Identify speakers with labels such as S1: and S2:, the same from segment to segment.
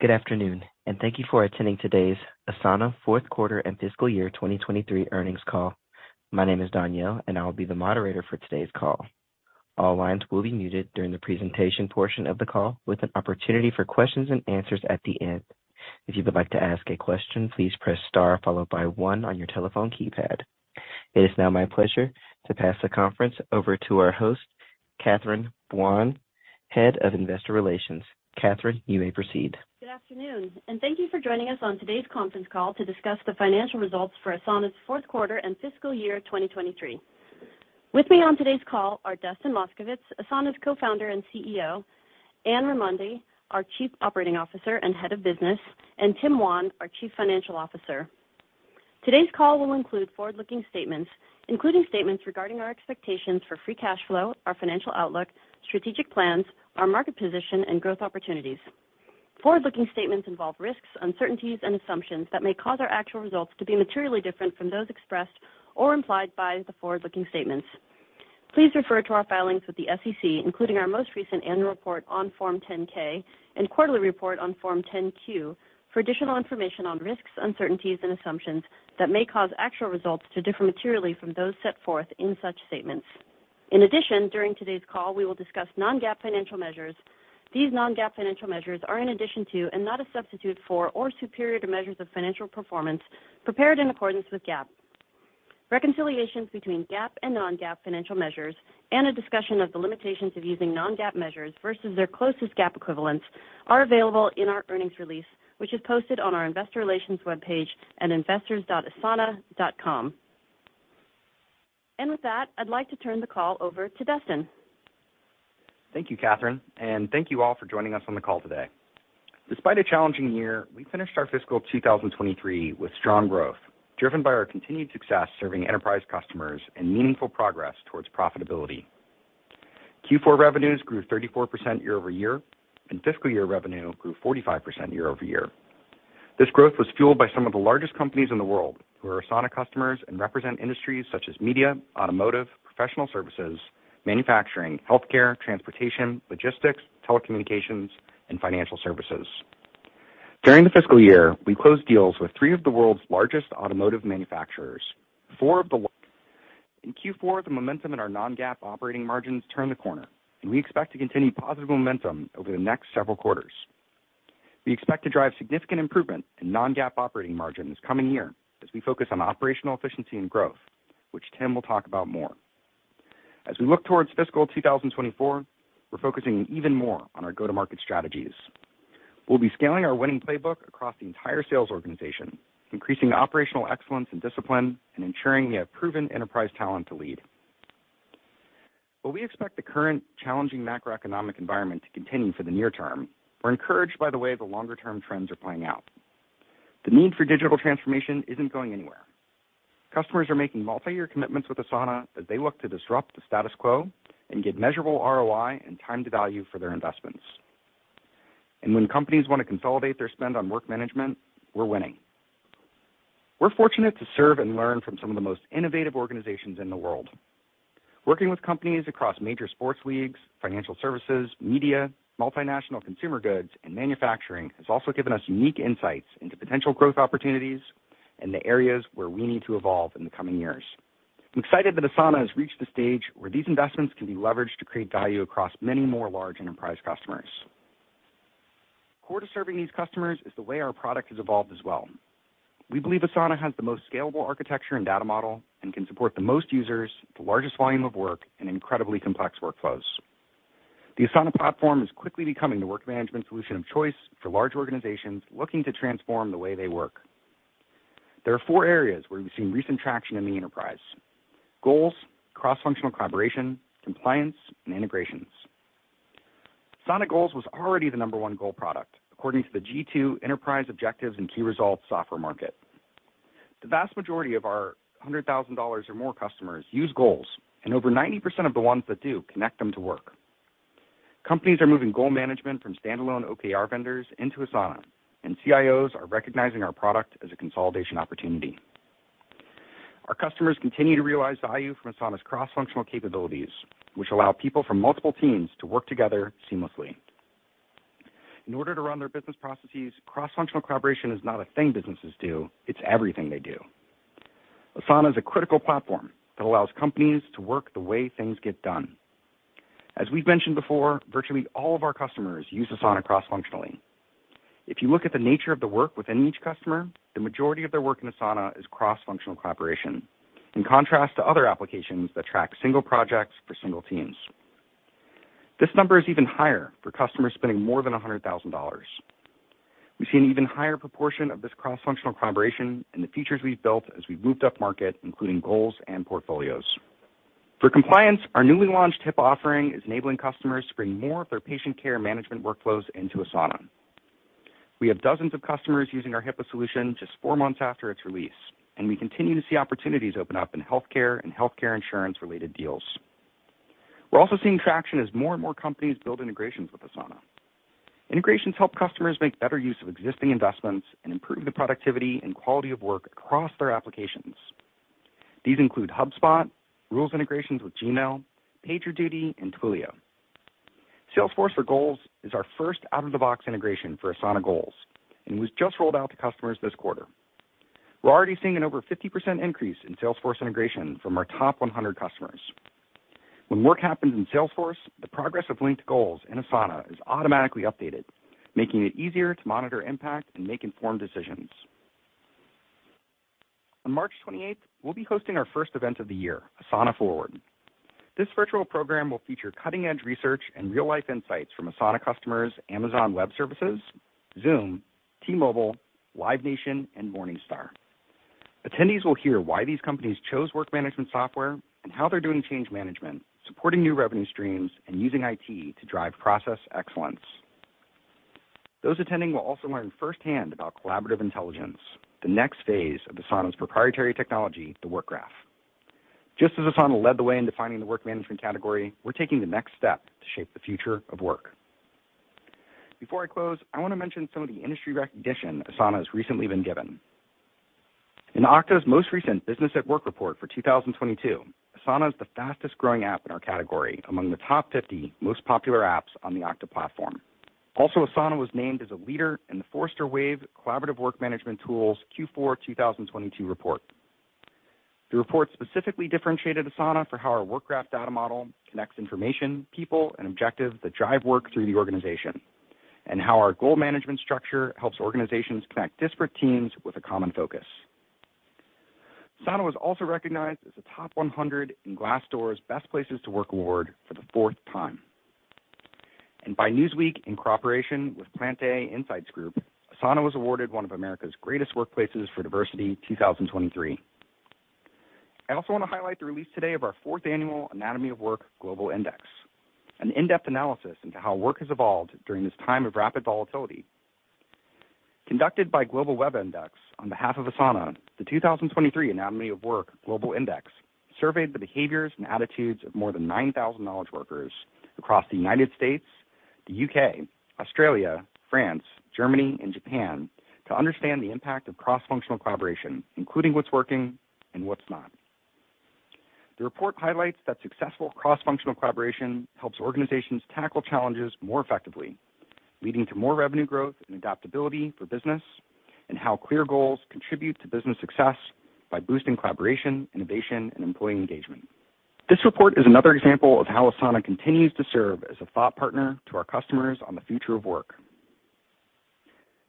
S1: Good afternoon. Thank you for attending today's Asana Q4 and Fiscal Year 2023 Earnings Call. My name is Danielle. I will be the moderator for today's call. All lines will be muted during the presentation portion of the call with an opportunity for questions and answers at the end. If you would like to ask a question, please press star followed by one on your telephone keypad. It is now my pleasure to pass the conference over to our host, Catherine Buan, Head of Investor Relations. Catherine, you may proceed.
S2: Good afternoon, and thank you for joining us on today's conference call to discuss the financial results for Asana's Q4 and fiscal year 2023. With me on today's call are Dustin Moskovitz, Asana's Co-Founder and CEO, Anne Raimondi, our Chief Operating Officer and Head of Business, and Tim Wan, our Chief Financial Officer. Today's call will include forward-looking statements, including statements regarding our expectations for free cash flow, our financial outlook, strategic plans, our market position, and growth opportunities. Forward-looking statements involve risks, uncertainties, and assumptions that may cause our actual results to be materially different from those expressed or implied by the forward-looking statements. Please refer to our filings with the SEC, including our most recent annual report on Form 10-K and quarterly report on Form 10-Q, for additional information on risks, uncertainties, and assumptions that may cause actual results to differ materially from those set forth in such statements. During today's call, we will discuss non-GAAP financial measures. These non-GAAP financial measures are in addition to and not a substitute for or superior to measures of financial performance prepared in accordance with GAAP. Reconciliations between GAAP and non-GAAP financial measures and a discussion of the limitations of using non-GAAP measures versus their closest GAAP equivalents are available in our earnings release, which is posted on our investor relations webpage at investors.asana.com. With that, I'd like to turn the call over to Dustin.
S3: Thank you, Catherine. Thank you all for joining us on the call today. Despite a challenging year, we finished our fiscal 2023 with strong growth, driven by our continued success serving enterprise customers and meaningful progress towards profitability. Q4 revenues grew 34% year-over-year, fiscal year revenue grew 45% year-over-year. This growth was fueled by some of the largest companies in the world who are Asana customers and represent industries such as media, automotive, professional service, manufacturing, healthcare, transportation, logistics, telecommunications, and financial services. During the fiscal year, we closed deals with three of the world's largest automotive manufacturers. In Q4, the momentum in our non-GAAP operating margins turned the corner, we expect to continue positive momentum over the next several quarters. We expect to drive significant improvement in non-GAAP operating margin this coming year as we focus on operational efficiency and growth, which Tim will talk about more. We look towards fiscal 2024, we're focusing even more on our go-to-market strategies. We'll be scaling our winning playbook across the entire sales organization, increasing operational excellence and discipline, and ensuring we have proven enterprise talent to lead. We expect the current challenging macroeconomic environment to continue for the near term, we're encouraged by the way the longer-term trends are playing out. The need for digital transformation isn't going anywhere. Customers are making multi-year commitments with Asana as they look to disrupt the status quo and get measurable ROI and time to value for their investments. When companies want to consolidate their spend on work management, we're winning. We're fortunate to serve and learn from some of the most innovative organizations in the world. Working with companies across major sports leagues, financial services, media, multinational consumer goods, and manufacturing has also given us unique insights into potential growth opportunities and the areas where we need to evolve in the coming years. I'm excited that Asana has reached the stage where these investments can be leveraged to create value across many more large enterprise customers. Core to serving these customers is the way our product has evolved as well. We believe Asana has the most scalable architecture and data model and can support the most users, the largest volume of work, and incredibly complex workflows. The Asana platform is quickly becoming the work management solution of choice for large organizations looking to transform the way they work. There are four areas where we've seen recent traction in the enterprise: Goals, cross-functional collaboration, compliance, and integrations. Asana Goals was already the number one goal product, according to the G2 Enterprise Objectives and Key Results software market. The vast majority of our $100,000 or more customers use Goals, and over 90% of the ones that do connect them to work. Companies are moving goal management from standalone OKR vendors into Asana, and CIOs are recognizing our product as a consolidation opportunity. Our customers continue to realize value from Asana's cross-functional capabilities, which allow people from multiple teams to work together seamlessly. In order to run their business processes, cross-functional collaboration is not a thing businesses do, it's everything they do. Asana is a critical platform that allows companies to work the way things get done. As we've mentioned before, virtually all of our customers use Asana cross-functionally. If you look at the nature of the work within each customer, the majority of their work in Asana is cross-functional collaboration, in contrast to other applications that track single projects for single teams. This number is even higher for customers spending more than $100,000. We see an even higher proportion of this cross-functional collaboration in the features we've built as we've moved up market, including Goals and Portfolios. For compliance, our newly launched HIPAA offering is enabling customers to bring more of their patient care management workflows into Asana. We have dozens of customers using our HIPAA solution just four months after its release, and we continue to see opportunities open up in healthcare and healthcare insurance-related deals. We're also seeing traction as more and more companies build integrations with Asana. Integrations help customers make better use of existing investments and improve the productivity and quality of work across their applications. These include HubSpot, Rules integrations with Gmail, PagerDuty, and Twilio. Salesforce for Goals is our first out-of-the-box integration for Asana Goals, and it was just rolled out to customers this quarter. We're already seeing an over 50% increase in Salesforce integration from our top 100 customers. When work happens in Salesforce, the progress of linked goals in Asana is automatically updated, making it easier to monitor impact and make informed decisions. On March 28th, we'll be hosting our first event of the year, Asana Forward. This virtual program will feature cutting-edge research and real-life insights from Asana customers, Amazon Web Services, Zoom, T-Mobile, Live Nation, and Morningstar. Attendees will hear why these companies chose work management software and how they're doing change management, supporting new revenue streams, and using IT to drive process excellence. Those attending will also learn firsthand about Collaborative Intelligence, the next phase of Asana's proprietary technology, the Work Graph. Asana led the way in defining the work management category, we're taking the next step to shape the future of work. Before I close, I want to mention some of the industry recognition Asana has recently been given. In Okta's most recent Businesses at Work report for 2022, Asana is the fastest-growing app in our category, among the top 50 most popular apps on the Okta platform. Asana was named as a leader in the Forrester Wave Collaborative Work Management Tools Q4 2022 report. The report specifically differentiated Asana for how our Work Graph data model connects information, people, and objectives that drive work through the organization, and how our goal management structure helps organizations connect disparate teams with a common focus. Asana was also recognized as a top 100 in Glassdoor's Best Places to Work award for the fourth time. By Newsweek, in cooperation with Plant-A Insights Group, Asana was awarded one of America's Greatest Workplaces for Diversity 2023. I also want to highlight the release today of our fourth annual Anatomy of Work Global Index, an in-depth analysis into how work has evolved during this time of rapid volatility. Conducted by Global Web Index on behalf of Asana, the 2023 Anatomy of Work Global Index surveyed the behaviors and attitudes of more than 9,000 knowledge workers across the United States, the U.K., Australia, France, Germany, and Japan to understand the impact of cross-functional collaboration, including what's working and what's not. The report highlights that successful cross-functional collaboration helps organizations tackle challenges more effectively, leading to more revenue growth and adaptability for business, and how clear goals contribute to business success by boosting collaboration, innovation, and employee engagement. This report is another example of how Asana continues to serve as a thought partner to our customers on the future of work.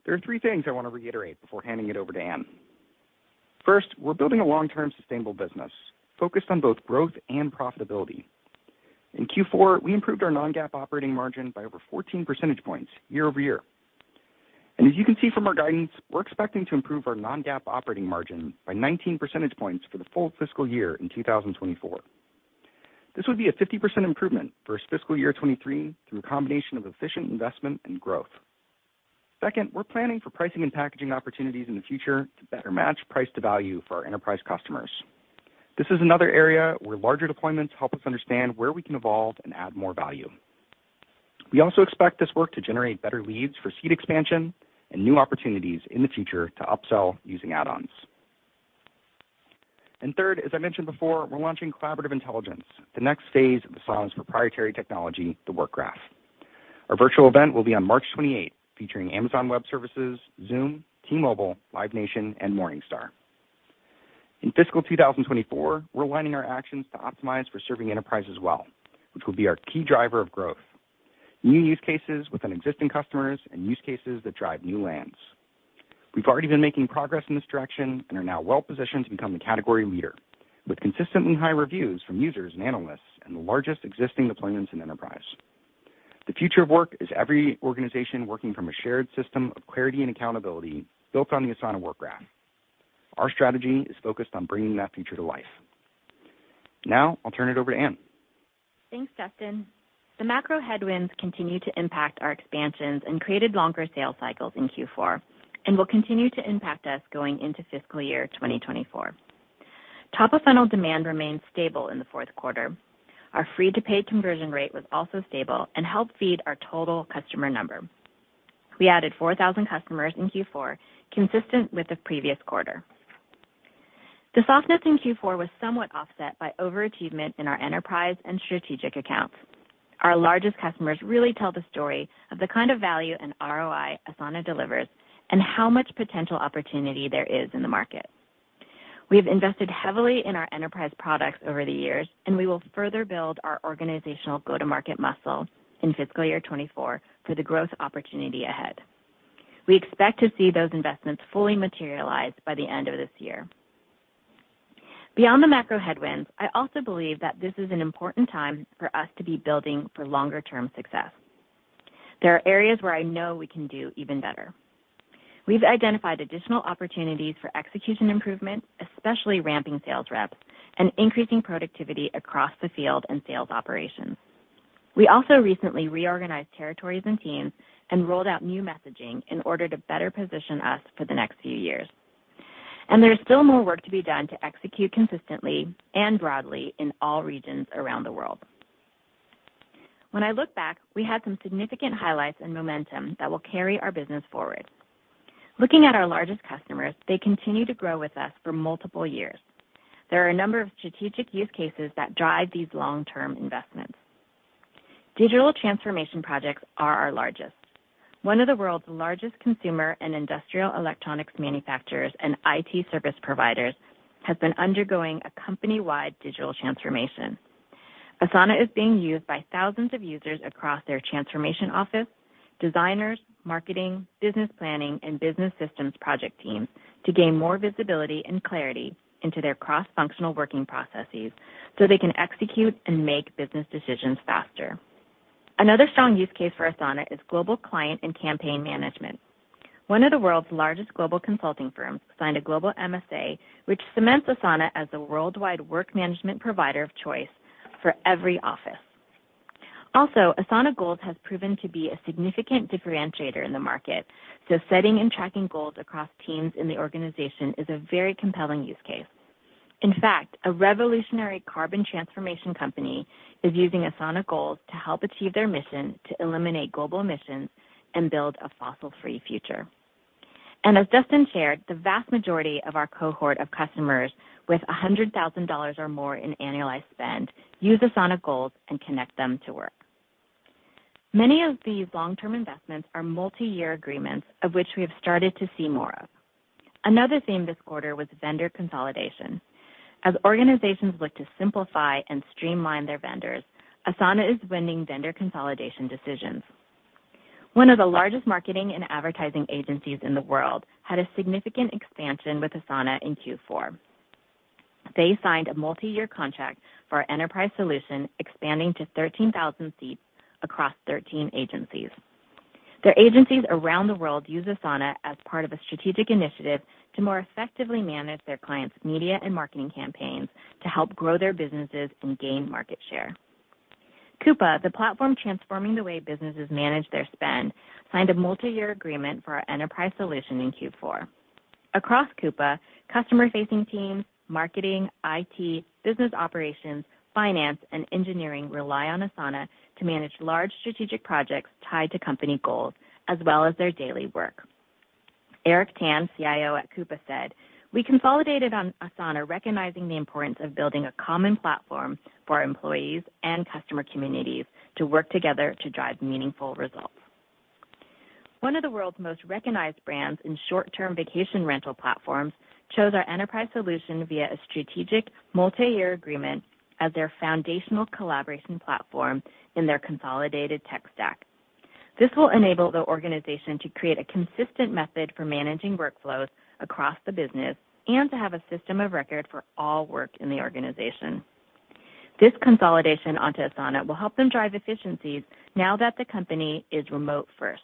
S3: There are three things I want to reiterate before handing it over to Ann. First, we're building a long-term, sustainable business focused on both growth and profitability. In Q4, we improved our non-GAAP operating margin by over 14 percentage points year-over-year. As you can see from our guidance, we're expecting to improve our non-GAAP operating margin by 19 percentage points for the full fiscal year in 2024. This would be a 50% improvement versus fiscal year 23 through a combination of efficient investment and growth. Second, we're planning for pricing and packaging opportunities in the future to better match price to value for our enterprise customers. This is another area where larger deployments help us understand where we can evolve and add more value. We also expect this work to generate better leads for seat expansion and new opportunities in the future to upsell using add-ons. Third, as I mentioned before, we're launching Collaborative Intelligence, the next phase of Asana's proprietary technology, the Work Graph. Our virtual event will be on March 28th, featuring Amazon Web Services, Zoom, T-Mobile, Live Nation, and Morningstar. In fiscal 2024, we're aligning our actions to optimize for serving enterprise as well, which will be our key driver of growth. New use cases within existing customers and use cases that drive new lands. We've already been making progress in this direction and are now well-positioned to become the category leader, with consistently high reviews from users and analysts and the largest existing deployments in enterprise. The future of work is every organization working from a shared system of clarity and accountability built on the Asana Work Graph. Our strategy is focused on bringing that future to life. I'll turn it over to Anne.
S4: Thanks, Dustin. The macro headwinds continue to impact our expansions and created longer sales cycles in Q4 and will continue to impact us going into fiscal year 2024. Top-of-funnel demand remained stable in the Q4. Our free-to-paid conversion rate was also stable and helped feed our total customer number. We added 4,000 customers in Q4, consistent with the previous quarter. The softness in Q4 was somewhat offset by overachievement in our enterprise and strategic accounts. Our largest customers really tell the story of the kind of value and ROI Asana delivers and how much potential opportunity there is in the market. We have invested heavily in our enterprise products over the years, and we will further build our organizational go-to-market muscle in fiscal year 2024 for the growth opportunity ahead. We expect to see those investments fully materialize by the end of this year. Beyond the macro headwinds, I also believe that this is an important time for us to be building for longer-term success. There are areas where I know we can do even better. We've identified additional opportunities for execution improvement, especially ramping sales reps and increasing productivity across the field and sales operations. We also recently reorganized territories and teams and rolled out new messaging in order to better position us for the next few years. There is still more work to be done to execute consistently and broadly in all regions around the world. When I look back, we had some significant highlights and momentum that will carry our business forward. Looking at our largest customers, they continue to grow with us for multiple years. There are a number of strategic use cases that drive these long-term investments. Digital transformation projects are our largest. One of the world's largest consumer and industrial electronics manufacturers and IT service providers has been undergoing a company-wide digital transformation. Asana is being used by thousands of users across their transformation office, designers, marketing, business planning, and business systems project teams to gain more visibility and clarity into their cross-functional working processes they can execute and make business decisions faster. Another strong use case for Asana is global client and campaign management. One of the world's largest global consulting firms signed a global MSA, which cements Asana as the worldwide work management provider of choice for every office. Asana Goals has proven to be a significant differentiator in the market, setting and tracking goals across teams in the organization is a very compelling use case. In fact, a revolutionary carbon transformation company is using Asana Goals to help achieve their mission to eliminate global emissions and build a fossil-free future. As Dustin shared, the vast majority of our cohort of customers with $100,000 or more in annualized spend use Asana Goals and connect them to work. Many of these long-term investments are multiyear agreements of which we have started to see more of. Another theme this quarter was vendor consolidation. As organizations look to simplify and streamline their vendors, Asana is winning vendor consolidation decisions. One of the largest marketing and advertising agencies in the world had a significant expansion with Asana in Q4. They signed a multiyear contract for our enterprise solution, expanding to 13,000 seats across 13 agencies. Their agencies around the world use Asana as part of a strategic initiative to more effectively manage their clients' media and marketing campaigns to help grow their businesses and gain market share. Coupa, the platform transforming the way businesses manage their spend, signed a multiyear agreement for our enterprise solution in Q4. Across Coupa, customer-facing teams, marketing, IT, business operations, finance, and engineering rely on Asana to manage large strategic projects tied to company goals as well as their daily work. Eric Tan, CIO at Coupa, said, "We consolidated on Asana recognizing the importance of building a common platform for our employees and customer communities to work together to drive meaningful results." One of the world's most recognized brands in short-term vacation rental platforms chose our enterprise solution via a strategic multiyear agreement as their foundational collaboration platform in their consolidated tech stack. This will enable the organization to create a consistent method for managing workflows across the business and to have a system of record for all work in the organization. This consolidation onto Asana will help them drive efficiencies now that the company is remote-first.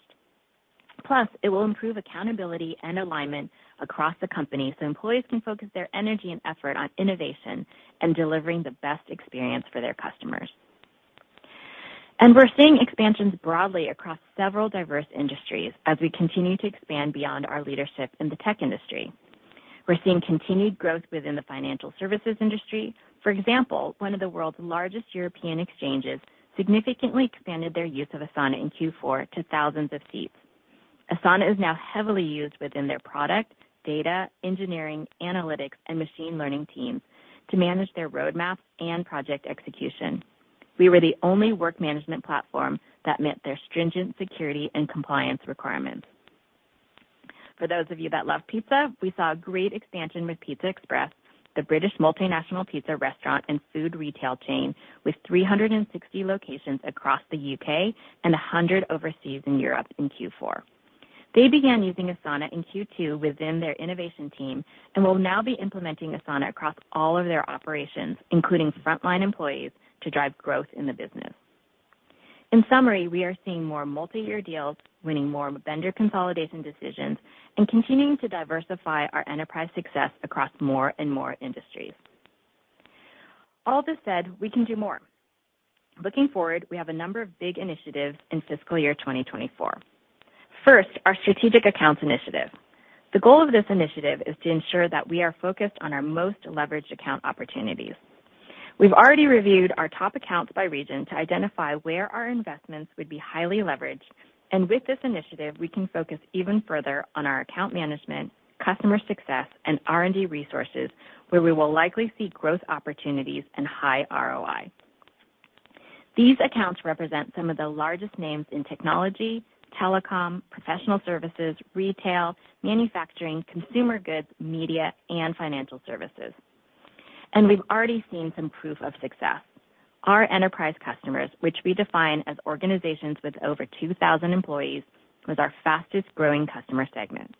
S4: It will improve accountability and alignment across the company so employees can focus their energy and effort on innovation and delivering the best experience for their customers. We're seeing expansions broadly across several diverse industries as we continue to expand beyond our leadership in the tech industry. We're seeing continued growth within the financial services industry. For example, one of the world's largest European exchanges significantly expanded their use of Asana in Q4 to thousands of seats. Asana is now heavily used within their product, data, engineering, analytics, and machine learning teams to manage their road maps and project execution. We were the only work management platform that met their stringent security and compliance requirements. For those of you that love pizza, we saw a great expansion with PizzaExpress, the British multinational pizza restaurant and food retail chain with 360 locations across the U.K. and 100 overseas in Europe in Q4. They began using Asana in Q2 within their innovation team and will now be implementing Asana across all of their operations, including frontline employees, to drive growth in the business. In summary, we are seeing more multiyear deals, winning more vendor consolidation decisions, and continuing to diversify our enterprise success across more and more industries. All this said, we can do more. Looking forward, we have a number of big initiatives in fiscal year 2024. First, our strategic accounts initiative. The goal of this initiative is to ensure that we are focused on our most leveraged account opportunities. We've already reviewed our top accounts by region to identify where our investments would be highly leveraged. With this initiative, we can focus even further on our account management, customer success, and R&D resources, where we will likely see growth opportunities and high ROI. These accounts represent some of the largest names in technology, telecom, professional services, retail, manufacturing, consumer goods, media, and financial services. We've already seen some proof of success. Our enterprise customers, which we define as organizations with over 2,000 employees, was our fastest-growing customer segment.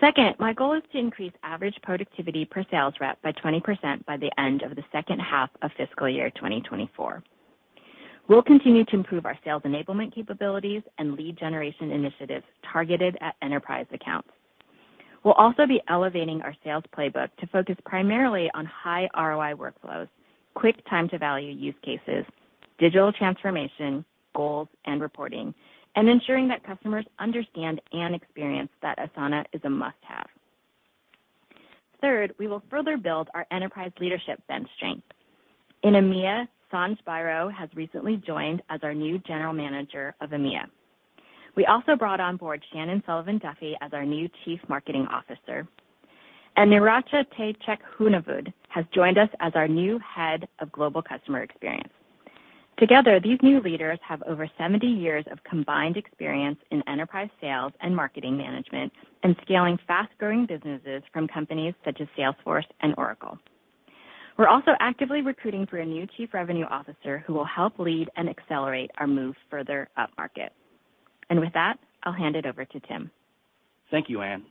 S4: Second, my goal is to increase average productivity per sales rep by 20% by the end of the H2 of fiscal year 2024. We'll continue to improve our sales enablement capabilities and lead generation initiatives targeted at enterprise accounts. We'll also be elevating our sales playbook to focus primarily on high ROI workflows, quick time-to-value use cases, digital transformation, goals, and reporting, and ensuring that customers understand and experience that Asana is a must-have. Third, we will further build our enterprise leadership bench strength. In EMEA, Sanj Bhayro has recently joined as our new General Manager of EMEA. We also brought on board Shannon Sullivan Duffy as our new Chief Marketing Officer, and Neeracha Taychakhoonavudh has joined us as our new Head of Global Customer Experience. Together, these new leaders have over 70 years of combined experience in enterprise sales and marketing management and scaling fast-growing businesses from companies such as Salesforce and Oracle. We're also actively recruiting for a new chief revenue officer who will help lead and accelerate our move further up market. With that, I'll hand it over to Tim.
S5: Thank you, Anne.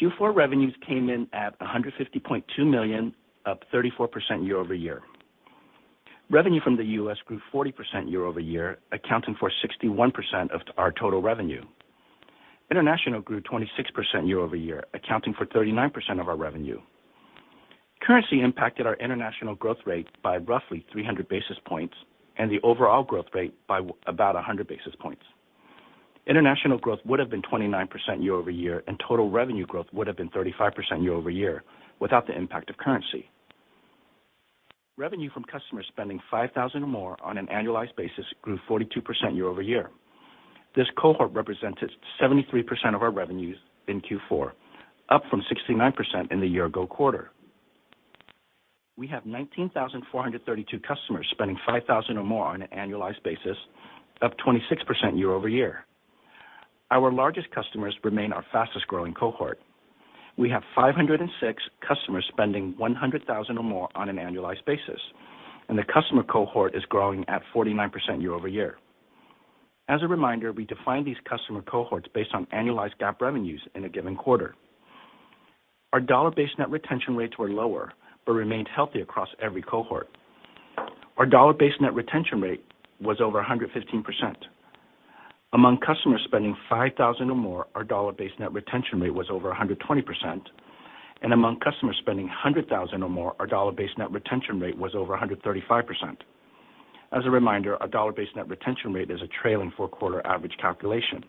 S5: Q4 revenues came in at $150.2 million, up 34% year-over-year. Revenue from the U.S. grew 40% year-over-year, accounting for 61% of our total revenue. International grew 26% year-over-year, accounting for 39% of our revenue. Currency impacted our international growth rate by roughly 300 basis points and the overall growth rate by about 100 basis points. International growth would have been 29% year-over-year, and total revenue growth would have been 35% year-over-year without the impact of currency. Revenue from customers spending $5,000 or more on an annualized basis grew 42% year-over-year. This cohort represented 73% of our revenues in Q4, up from 69% in the year-ago quarter. We have 19,432 customers spending $5,000 or more on an annualized basis, up 26% year-over-year. Our largest customers remain our fastest-growing cohort. We have 506 customers spending $100,000 or more on an annualized basis. The customer cohort is growing at 49% year-over-year. As a reminder, we define these customer cohorts based on annualized GAAP revenues in a given quarter. Our dollar-based net retention rates were lower but remained healthy across every cohort. Our dollar-based net retention rate was over 115%. Among customers spending $5,000 or more, our dollar-based net retention rate was over 120%. Among customers spending $100,000 or more, our dollar-based net retention rate was over 135%. As a reminder, our dollar-based net retention rate is a trailing Q4 average calculation.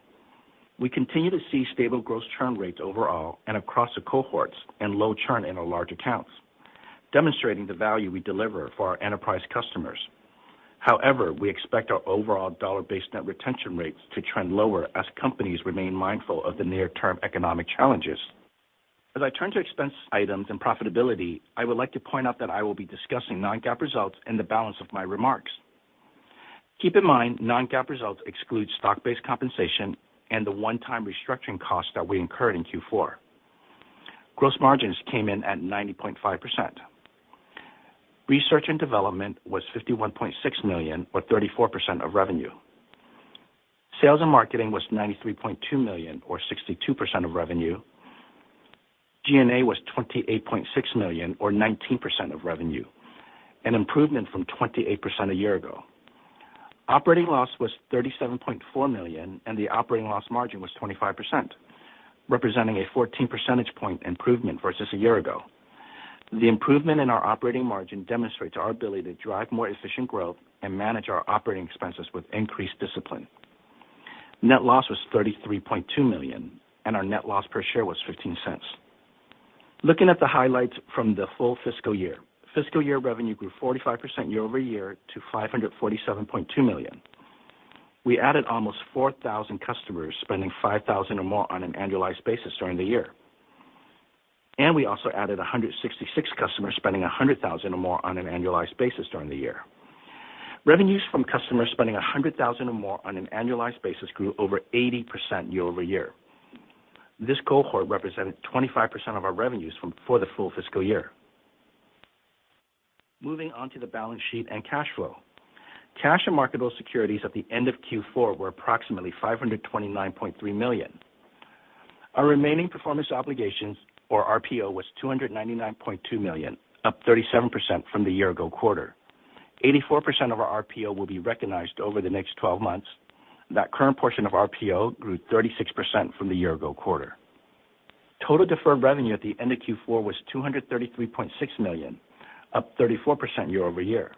S5: We continue to see stable gross churn rates overall and across the cohorts and low churn in our large accounts, demonstrating the value we deliver for our enterprise customers. However, we expect our overall dollar-based net retention rates to trend lower as companies remain mindful of the near-term economic challenges. As I turn to expense items and profitability, I would like to point out that I will be discussing non-GAAP results in the balance of my remarks. Keep in mind, non-GAAP results exclude stock-based compensation and the one-time restructuring costs that we incurred in Q4. Gross margins came in at 90.5%. Research and development was $51.6 million or 34% of revenue. Sales and marketing was $93.2 million or 62% of revenue. G&A was $28.6 million or 19% of revenue, an improvement from 28% a year ago. Operating loss was $37.4 million, the operating loss margin was 25%, representing a 14 percentage point improvement versus a year ago. The improvement in our operating margin demonstrates our ability to drive more efficient growth and manage our operating expenses with increased discipline. Net loss was $33.2 million, our net loss per share was $0.15. Looking at the highlights from the full fiscal year. Fiscal year revenue grew 45% year-over-year to $547.2 million. We added almost 4,000 customers spending $5,000 or more on an annualized basis during the year. We also added 166 customers spending $100,000 or more on an annualized basis during the year. Revenues from customers spending $100,000 or more on an annualized basis grew over 80% year-over-year. This cohort represented 25% of our revenues for the full fiscal year. Moving on to the balance sheet and cash flow. Cash and marketable securities at the end of Q4 were approximately $529.3 million. Our remaining performance obligations or RPO was $299.2 million, up 37% from the year-ago quarter. 84% of our RPO will be recognized over the next 12 months. That current portion of RPO grew 36% from the year-ago quarter. Total deferred revenue at the end of Q4 was $233.6 million, up 34% year-over-year.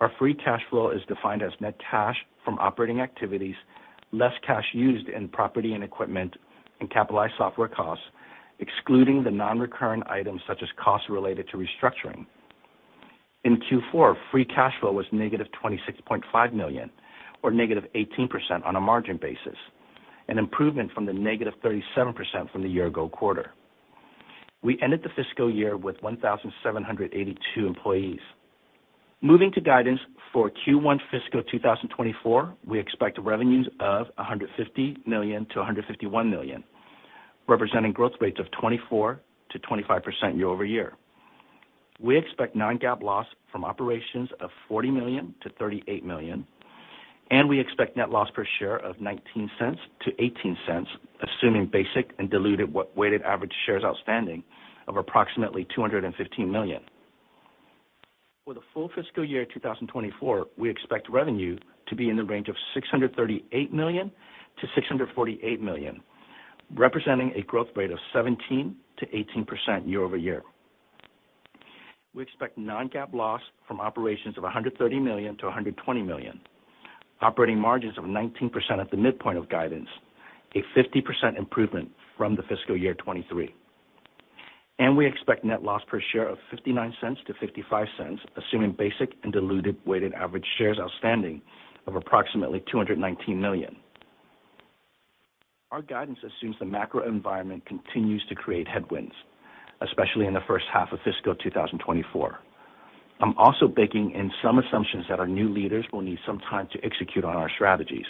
S5: Our free cash flow is defined as net cash from operating activities, less cash used in property and equipment and capitalized software costs, excluding the non-recurring items such as costs related to restructuring. In Q4, free cash flow was negative -$26.5 million or negative 18% on a margin basis, an improvement from the negative 37% from the year-ago quarter. We ended the fiscal year with 1,782 employees. Moving to guidance for Q1 fiscal 2024, we expect revenues of $150 million-$151 million, representing growth rates of 24%-25% year-over-year. We expect non-GAAP loss from operations of $40 million-$38 million, and we expect net loss per share of $0.19-$0.18, assuming basic and diluted weighted average shares outstanding of approximately 215 million. For the full fiscal year 2024, we expect revenue to be in the range of $638 million-$648 million, representing a growth rate of 17%-18% year-over-year. We expect non-GAAP loss from operations of $130 million-$120 million. Operating margins of 19% at the midpoint of guidance, a 50% improvement from the fiscal year 2023. We expect net loss per share of $0.59-$0.55, assuming basic and diluted weighted average shares outstanding of approximately 219 million. Our guidance assumes the macro environment continues to create headwinds, especially in the first half of fiscal 2024. I'm also baking in some assumptions that our new leaders will need some time to execute on our strategies.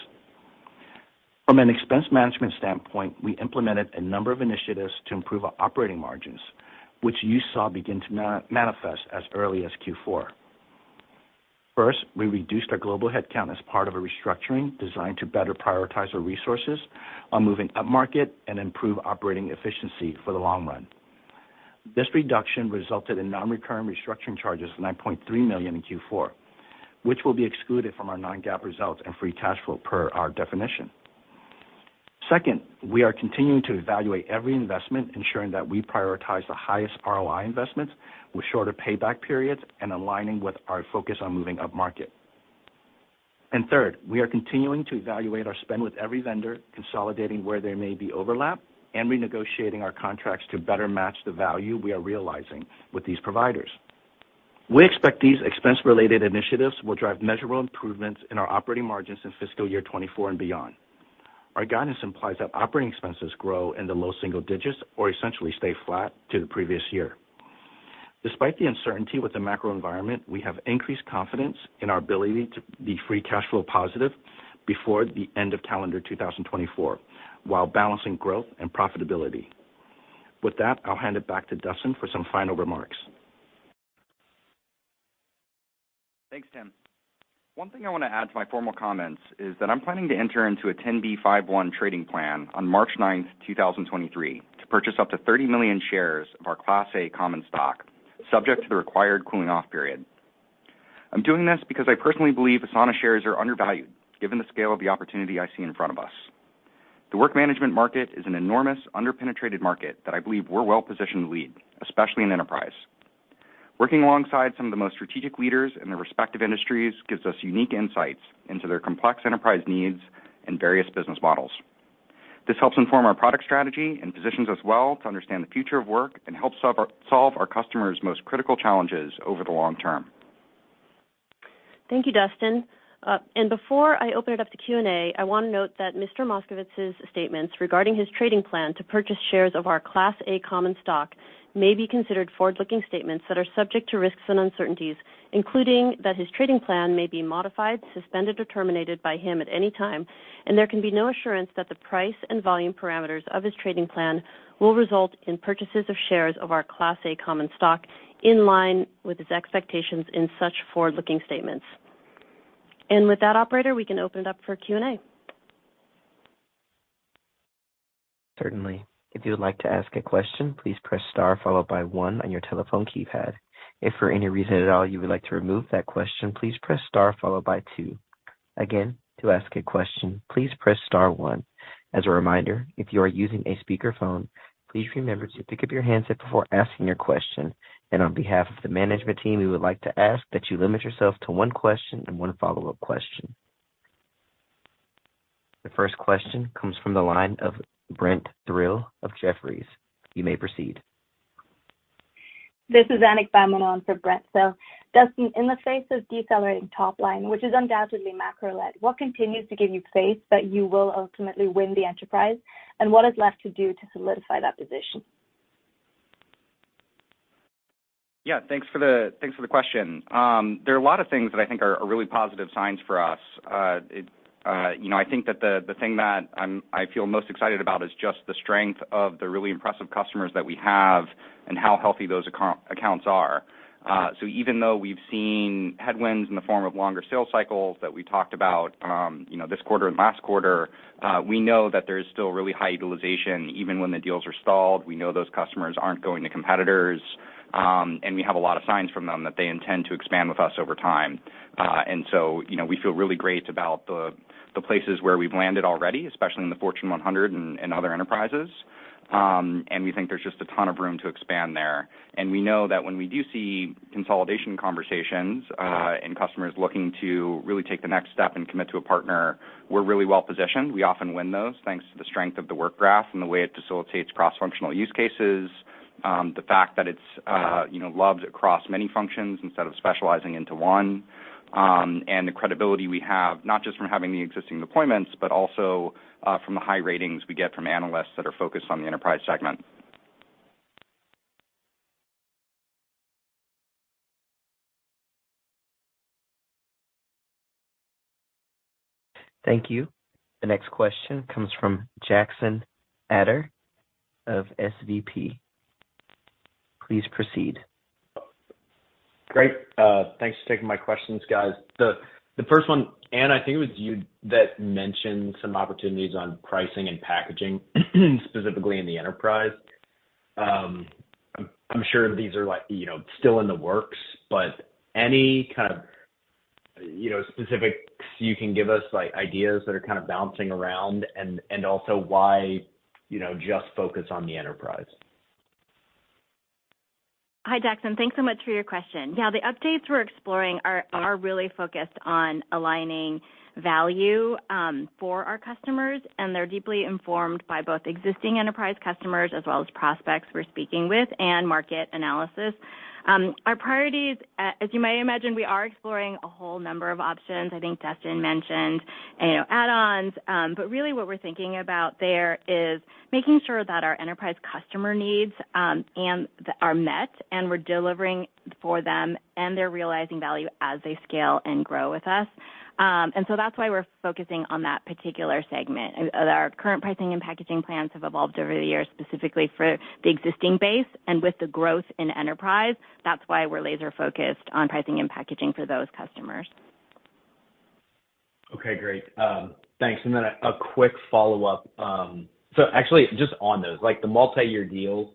S5: From an expense management standpoint, we implemented a number of initiatives to improve our operating margins, which you saw begin to manifest as early as Q4. First, we reduced our global headcount as part of a restructuring designed to better prioritize our resources on moving upmarket and improve operating efficiency for the long run. This reduction resulted in non-recurring restructuring charges of $9.3 million in Q4, which will be excluded from our non-GAAP results and free cash flow per our definition. Second, we are continuing to evaluate every investment, ensuring that we prioritize the highest ROI investments with shorter payback periods and aligning with our focus on moving upmarket. Third, we are continuing to evaluate our spend with every vendor, consolidating where there may be overlap and renegotiating our contracts to better match the value we are realizing with these providers. We expect these expense-related initiatives will drive measurable improvements in our operating margins in fiscal year 2024 and beyond. Our guidance implies that operating expenses grow in the low single digits or essentially stay flat to the previous year. Despite the uncertainty with the macro environment, we have increased confidence in our ability to be free cash flow positive before the end of calendar 2024, while balancing growth and profitability. I'll hand it back to Dustin for some final remarks.
S3: Thanks, Tim. One thing I want to add to my formal comments is that I'm planning to enter into a 10b5-1 trading plan on March 9, 2023, to purchase up to 30 million shares of our Class A common stock, subject to the required cooling-off period. I'm doing this because I personally believe Asana shares are undervalued given the scale of the opportunity I see in front of us. The work management market is an enormous underpenetrated market that I believe we're well-positioned to lead, especially in enterprise. Working alongside some of the most strategic leaders in their respective industries gives us unique insights into their complex enterprise needs and various business models. This helps inform our product strategy and positions us well to understand the future of work and helps solve our customers' most critical challenges over the long term.
S2: Thank you, Dustin. Before I open it up to Q&A, I want to note that Mr. Moskovitz's statements regarding his trading plan to purchase shares of our Class A common stock may be considered forward-looking statements that are subject to risks and uncertainties, including that his trading plan may be modified, suspended, or terminated by him at any time, and there can be no assurance that the price and volume parameters of his trading plan will result in purchases of shares of our Class A common stock in line with his expectations in such forward-looking statements. With that, operator, we can open it up for Q&A.
S1: Certainly. If you would like to ask a question, please press star followed by one on your telephone keypad. If for any reason at all you would like to remove that question, please press star followed by two. Again, to ask a question, please press star one. As a reminder, if you are using a speakerphone, please remember to pick up your handset before asking your question. On behalf of the management team, we would like to ask that you limit yourself to one question and one follow-up question. The first question comes from the line of Brent Thill of Jefferies. You may proceed.
S6: This is Annick Baumann for Brent. Dustin, in the face of decelerating top line, which is undoubtedly macro-led, what continues to give you faith that you will ultimately win the enterprise, and what is left to do to solidify that position?
S3: Yeah, thanks for the question. There are a lot of things that I think are really positive signs for us. You know, I think that the thing that I feel most excited about is just the strength of the really impressive customers that we have and how healthy those accounts are. Even though we've seen headwinds in the form of longer sales cycles that we talked about, you know, this quarter and last quarter, we know that there is still really high utilization even when the deals are stalled. We know those customers aren't going to competitors, and we have a lot of signs from them that they intend to expand with us over time. You know, we feel really great about the places where we've landed already, especially in the Fortune 100 and other enterprises. We think there's just a ton of room to expand there. We know that when we do see consolidation conversations, and customers looking to really take the next step and commit to a partner, we're really well-positioned. We often win those, thanks to the strength of the Work Graph and the way it facilitates cross-functional use cases. The fact that it's, you know, loved across many functions instead of specializing into one, and the credibility we have, not just from having the existing deployments, but also, from the high ratings we get from analysts that are focused on the enterprise segment.
S1: Thank you. The next question comes from Jackson Ader of SVB. Please proceed.
S7: Great. thanks for taking my questions, guys. The first one, Anne, I think it was you that mentioned some opportunities on pricing and packaging, specifically in the enterprise. I'm sure these are like, you know, still in the works, but any kind of you know, specifics you can give us, like ideas that are kind of bouncing around and also why, you know, just focus on the enterprise?
S4: Hi, Jackson. Thanks so much for your question. Yeah, the updates we're exploring are really focused on aligning value for our customers. They're deeply informed by both existing enterprise customers as well as prospects we're speaking with and market analysis. Our priorities, as you might imagine, we are exploring a whole number of options. I think Dustin mentioned, you know, add-ons. Really what we're thinking about there is making sure that our enterprise customer needs are met and we're delivering for them and they're realizing value as they scale and grow with us. That's why we're focusing on that particular segment. Our current pricing and packaging plans have evolved over the years, specifically for the existing base. With the growth in enterprise, that's why we're laser focused on pricing and packaging for those customers.
S7: Okay, great. Thanks. Then a quick follow-up. Actually just on those, like, the multiyear deal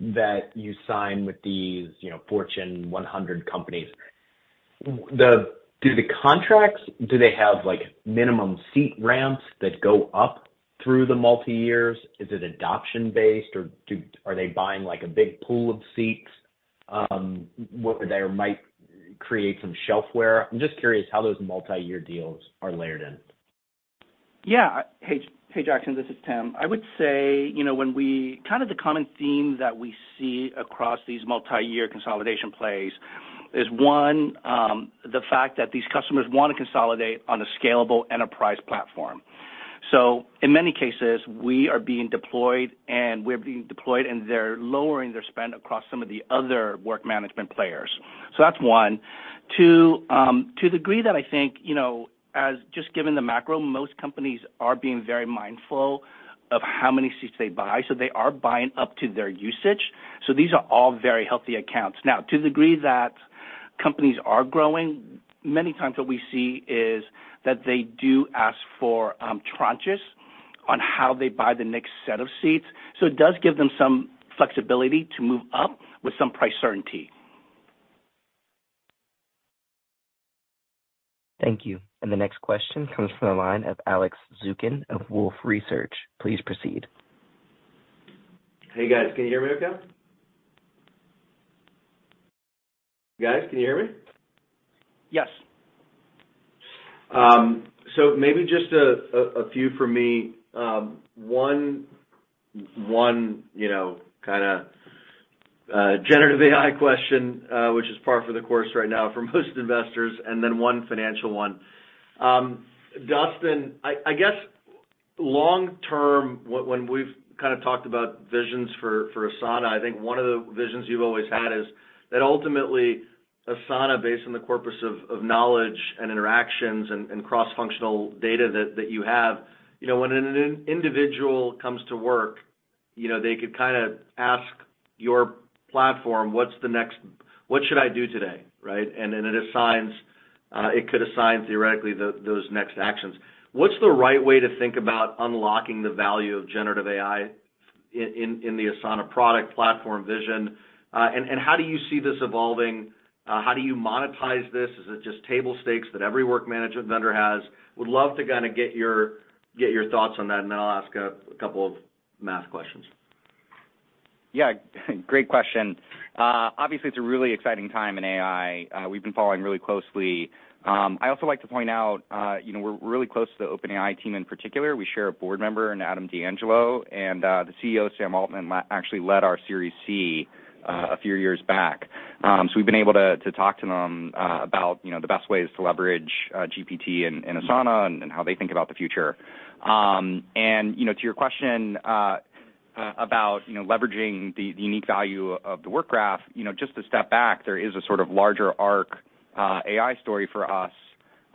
S7: that you sign with these, you know, Fortune 100 companies, do the contracts, do they have, like, minimum seat ramps that go up through the multiyears? Is it adoption-based or are they buying, like, a big pool of seats, where there might create some shelf wear? I'm just curious how those multiyear deals are layered in.
S5: Yeah. Hey, Jackson, this is Tim. I would say, you know, kind of the common theme that we see across these multiyear consolidation plays is, one, the fact that these customers want to consolidate on a scalable enterprise platform. In many cases, we are being deployed, and they're lowering their spend across some of the other work management players. That's one. Two, to the degree that I think, you know, as just given the macro, most companies are being very mindful of how many seats they buy, so they are buying up to their usage. These are all very healthy accounts. Now, to the degree that companies are growing, many times what we see is that they do ask for tranches on how they buy the next set of seats. It does give them some flexibility to move up with some price certainty.
S1: Thank you. The next question comes from the line of Alex Zukin of Wolfe Research. Please proceed.
S8: Hey, guys. Can you hear me okay? Guys, can you hear me?
S1: Yes.
S8: Maybe just a few from me. One, you know, kind of generative AI question, which is par for the course right now for most investors, and then one financial one. Dustin, I guess long term, when we've kind of talked about visions for Asana, I think one of the visions you've always had is that ultimately Asana, based on the corpus of knowledge and interactions and cross-functional data that you have, you know, when an individual comes to work, you know, they could kind of ask your platform, "What's the next? What should I do today," right? Then it assigns, it could assign theoretically those next actions. What's the right way to think about unlocking the value of generative AI in the Asana product platform vision? How do you see this evolving? How do you monetize this? Is it just table stakes that every work management vendor has? Would love to kind of get your thoughts on that, and then I'll ask a couple of math questions.
S3: Yeah, great question. Obviously it's a really exciting time in AI. We've been following really closely. I also like to point out, you know, we're really close to the OpenAI team in particular. We share a board member in Adam D'Angelo, the CEO, Sam Altman, actually led our Series C a few years back. We've been able to talk to them about, you know, the best ways to leverage GPT in Asana and how they think about the future. You know, to your question about, you know, leveraging the unique value of the Work Graph, you know, just to step back, there is a sort of larger arc, AI story for us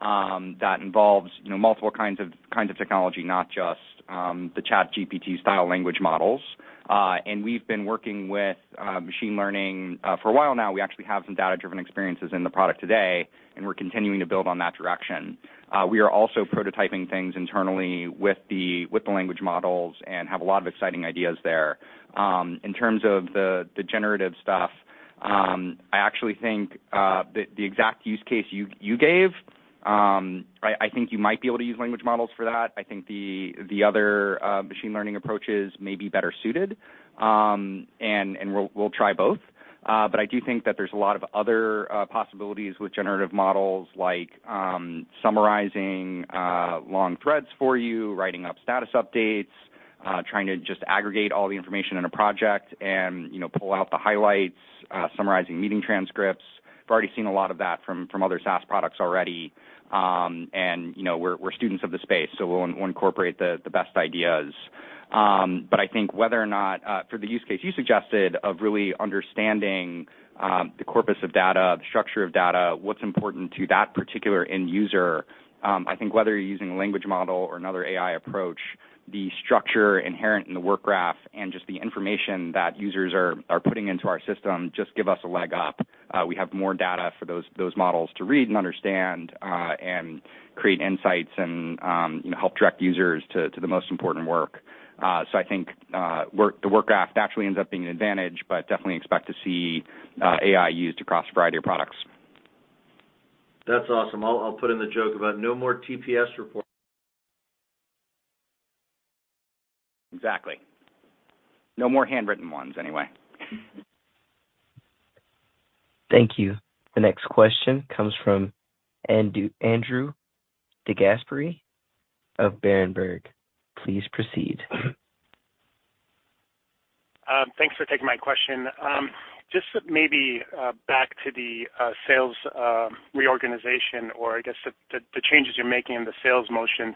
S3: that involves, you know, multiple kinds of technology, not just the ChatGPT style language models. We've been working with machine learning for a while now. We actually have some data-driven experiences in the product today, and we're continuing to build on that direction. We are also prototyping things internally with the language models and have a lot of exciting ideas there. In terms of the generative stuff, I actually think the exact use case you gave, I think you might be able to use language models for that. I think the other machine learning approaches may be better suited. And we'll try both. I do think that there's a lot of other possibilities with generative models like summarizing long threads for you, writing up status updates, trying to just aggregate all the information in a project and, you know, pull out the highlights, summarizing meeting transcripts. We've already seen a lot of that from other SaaS products already. You know, we're students of the space, so we'll incorporate the best ideas. I think whether or not, for the use case you suggested of really understanding, the corpus of data, the structure of data, what's important to that particular end user, I think whether you're using a language model or another AI approach, the structure inherent in the Work Graph and just the information that users are putting into our system just give us a leg up. We have more data for those models to read and understand, and create insights and, you know, help direct users to the most important work. I think, the Work Graph naturally ends up being an advantage, but definitely expect to see AI used across a variety of products.
S5: That's awesome. I'll put in the joke about no more TPS report.
S3: Exactly. No more handwritten ones anyway.
S1: Thank you. The next question comes from Andrew DeGasperi of Berenberg. Please proceed.
S9: Thanks for taking my question. Just maybe, back to the sales reorganization or I guess the changes you're making in the sales motion.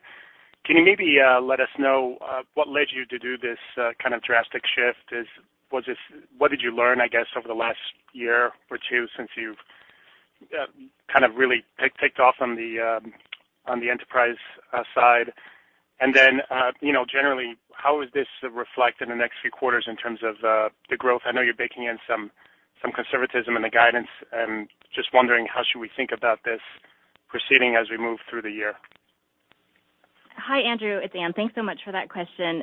S9: Can you maybe let us know what led you to do this kind of drastic shift? What did you learn, I guess, over the last year or two since you've kind of really taken off on the enterprise side? Then, you know, generally, how is this reflect in the next few quarters in terms of the growth? I know you're baking in some conservatism in the guidance. Just wondering how should we think about this proceeding as we move through the year.
S4: Hi, Andrew. It's Anne. Thanks so much for that question.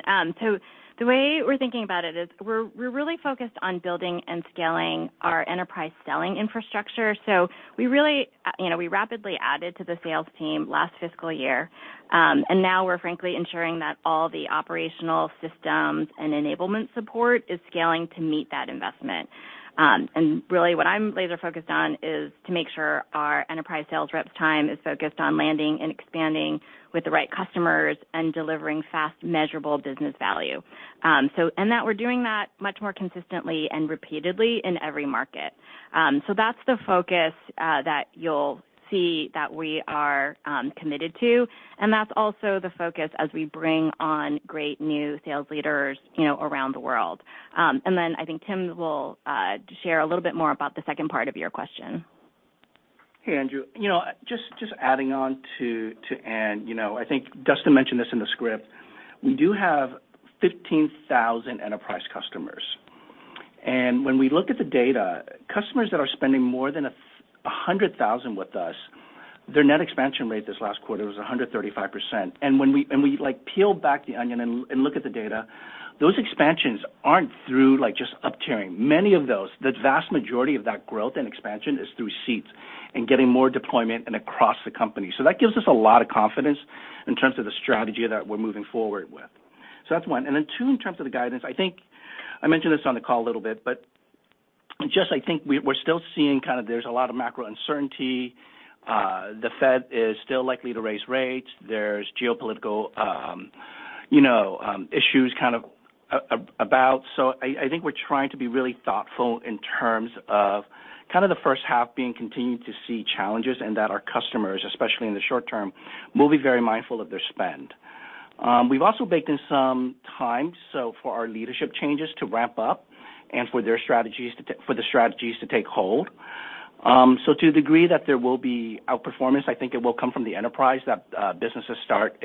S4: The way we're thinking about it is we're really focused on building and scaling our enterprise selling infrastructure. We really, you know, we rapidly added to the sales team last fiscal year. Now we're frankly ensuring that all the operational systems and enablement support is scaling to meet that investment. Really what I'm laser focused on is to make sure our enterprise sales reps' time is focused on landing and expanding with the right customers and delivering fast measurable business value. That we're doing that much more consistently and repeatedly in every market. That's the focus that you'll see that we are committed to, that's also the focus as we bring on great new sales leaders, you know, around the world. Then I think Tim will share a little bit more about the second part of your question.
S5: Hey, Andrew. You know, just adding on to Anne, you know, I think Dustin mentioned this in the script. We do have 15,000 enterprise customers. When we look at the data, customers that are spending more than $100,000 with us, their net expansion rate this last quarter was 135%. When we, like, peel back the onion and look at the data, those expansions aren't through, like, just up tiering. Many of those, the vast majority of that growth and expansion is through seats and getting more deployment and across the company. That gives us a lot of confidence in terms of the strategy that we're moving forward with. That's one. Two, in terms of the guidance, I think I mentioned this on the call a little bit, but just I think we're still seeing kind of there's a lot of macro uncertainty. The Fed is still likely to raise rates. There's geopolitical, you know, issues kind of about. I think we're trying to be really thoughtful in terms of kind of the first half being continuing to see challenges and that our customers, especially in the short term, will be very mindful of their spend. We've also baked in some time, so for our leadership changes to ramp up and for their strategies to take hold. To the degree that there will be outperformance, I think it will come from the enterprise that businesses start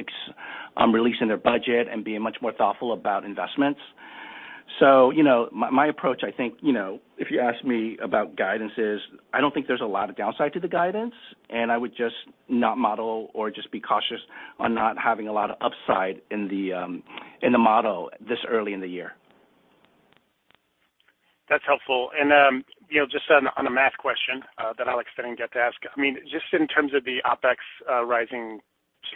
S5: releasing their budget and being much more thoughtful about investments. You know, my approach, I think, you know, if you ask me about guidance is I don't think there's a lot of downside to the guidance, and I would just not model or just be cautious on not having a lot of upside in the model this early in the year.
S9: That's helpful. You know, just on a math question, that Alex didn't get to ask. I mean, just in terms of the OpEx, rising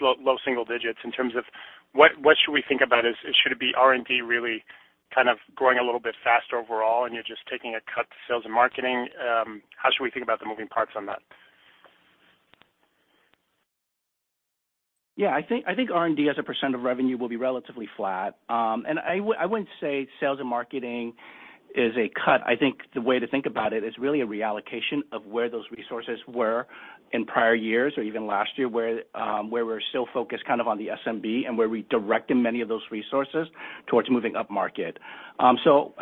S9: low single digits, in terms of what should we think about it? Should it be R&D really kind of growing a little bit faster overall, and you're just taking a cut to sales and marketing? How should we think about the moving parts on that?
S5: Yeah. I think R&D as a percent of revenue will be relatively flat. I wouldn't say sales and marketing is a cut. I think the way to think about it is really a reallocation of where those resources were in prior years or even last year, where we're still focused kind of on the SMB and where we directed many of those resources towards moving up market. I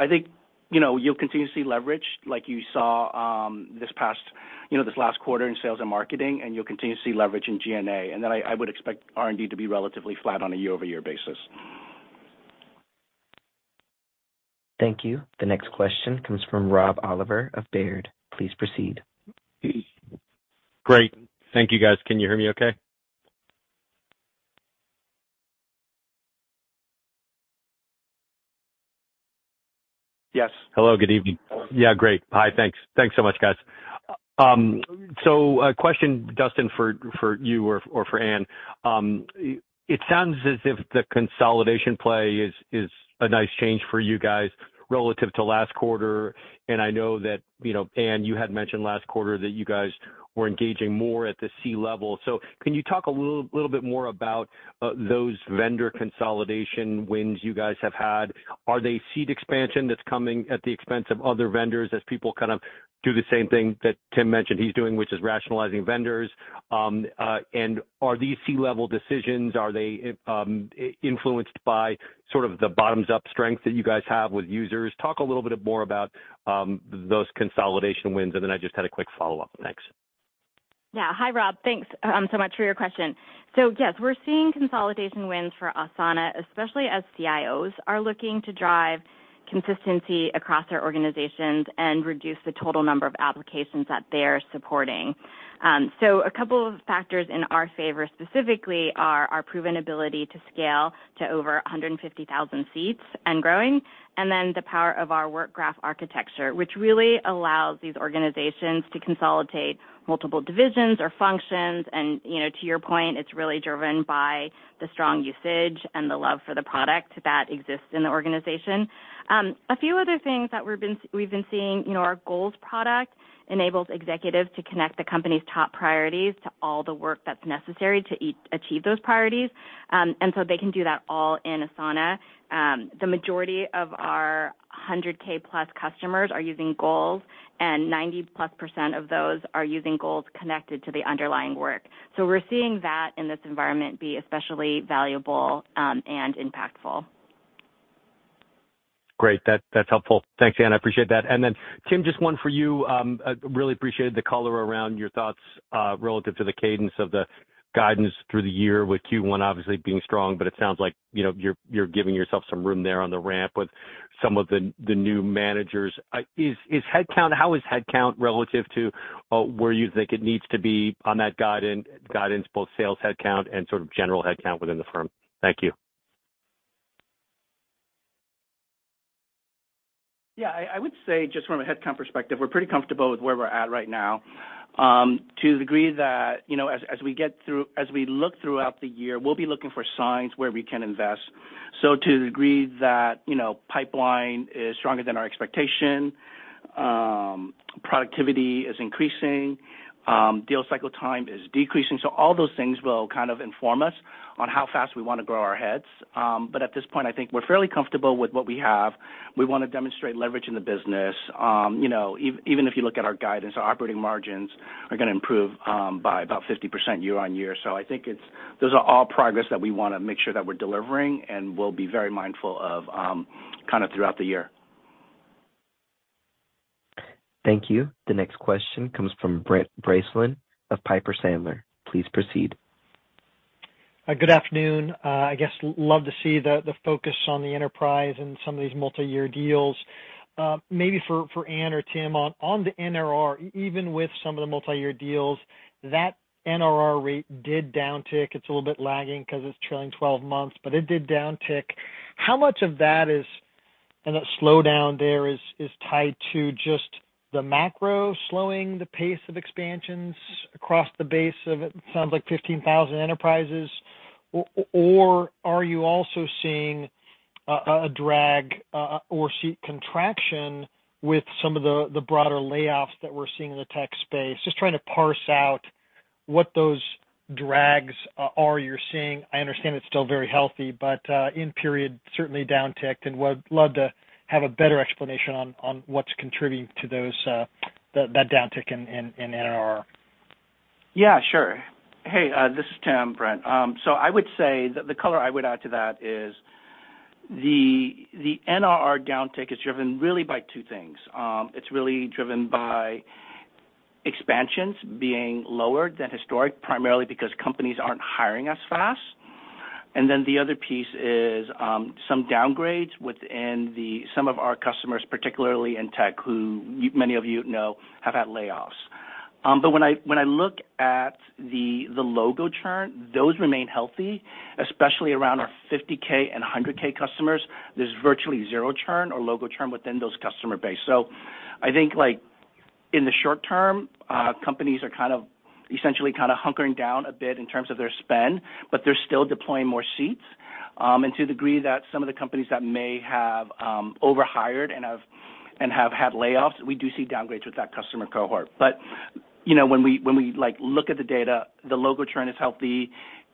S5: think, you know, you'll continue to see leverage like you saw, this past, you know, this last quarter in sales and marketing, and you'll continue to see leverage in G&A. I would expect R&D to be relatively flat on a year-over-year basis.
S1: Thank you. The next question comes from Rob Oliver of Baird. Please proceed.
S10: Great. Thank you, guys. Can you hear me okay?
S5: Yes.
S10: Hello. Good evening. Yeah. Great. Hi. Thanks. Thanks so much, guys. A question, Dustin, for you or for Anne. It sounds as if the consolidation play is a nice change for you guys relative to last quarter. I know that, you know, Anne, you had mentioned last quarter that you guys were engaging more at the C-level. Can you talk a little bit more about those vendor consolidation wins you guys have had? Are they seat expansion that's coming at the expense of other vendors as people kind of do the same thing that Tim mentioned he's doing, which is rationalizing vendors? Are these C-level decisions, are they influenced by sort of the bottoms-up strength that you guys have with users? Talk a little bit more about those consolidation wins. I just had a quick follow-up next.
S4: Yeah. Hi, Rob. Thanks so much for your question. Yes, we're seeing consolidation wins for Asana, especially as CIOs are looking to drive consistency across their organizations and reduce the total number of applications that they're supporting. A couple of factors in our favor specifically are our proven ability to scale to over 150,000 seats and growing, and then the power of our Work Graph architecture, which really allows these organizations to consolidate multiple divisions or functions. You know, to your point, it's really driven by the strong usage and the love for the product that exists in the organization. A few other things that we've been seeing, you know, our Goals product enables executives to connect the company's top priorities to all the work that's necessary to achieve those priorities. They can do that all in Asana. The majority of our 100K+ customers are using Goals, and 90%+ of those are using Goals connected to the underlying work. We're seeing that in this environment be especially valuable, and impactful.
S10: Great. That's helpful. Thanks, Anne. I appreciate that. Tim, just one for you. I really appreciated the color around your thoughts relative to the cadence of the guidance through the year with Q1 obviously being strong, but it sounds like, you know, you're giving yourself some room there on the ramp with some of the new managers. How is headcount relative to where you think it needs to be on that guide and guidance, both sales headcount and sort of general headcount within the firm? Thank you.
S5: Yeah. I would say, just from a headcount perspective, we're pretty comfortable with where we're at right now. To the degree that, you know, as we look throughout the year, we'll be looking for signs where we can invest. To the degree that, you know, pipeline is stronger than our expectation, productivity is increasing, deal cycle time is decreasing. All those things will kind of inform us on how fast we wanna grow our heads. At this point, I think we're fairly comfortable with what we have. We wanna demonstrate leverage in the business. You know, even if you look at our guidance, our operating margins are gonna improve, by about 50% year-over-year. I think it's. Those are all progress that we wanna make sure that we're delivering, and we'll be very mindful of, kind of throughout the year.
S1: Thank you. The next question comes from Brent Bracelin of Piper Sandler. Please proceed.
S11: Good afternoon. I guess love to see the focus on the enterprise and some of these multi-year deals. Maybe for Anne or Tim on the NRR, even with some of the multi-year deals, that NRR rate did downtick. It's a little bit lagging 'cause it's trailing 12 months, but it did downtick. How much of that is, and that slowdown there is tied to just the macro slowing the pace of expansions across the base of it sounds like 15,000 enterprises, or are you also seeing a drag, or seat contraction with some of the broader layoffs that we're seeing in the tech space? Just trying to parse out what those drags are you're seeing. I understand it's still very healthy, but in period certainly downticked, and would love to have a better explanation on what's contributing to those, that downtick in NRR.
S5: Yeah, sure. Hey, this is Tim, Brent. I would say the color I would add to that is the NRR downtick is driven really by two things. It's really driven by expansions being lower than historic, primarily because companies aren't hiring as fast. The other piece is some downgrades within some of our customers, particularly in tech, who many of you know have had layoffs. When I look at the logo churn, those remain healthy, especially around our 50K and 100K customers. There's virtually zero churn or logo churn within those customer base. I think, like, in the short term, companies are kind of essentially kind of hunkering down a bit in terms of their spend, they're still deploying more seats. To the degree that some of the companies that may have overhired and have had layoffs, we do see downgrades with that customer cohort. You know, when we, like, look at the data, the logo churn is healthy.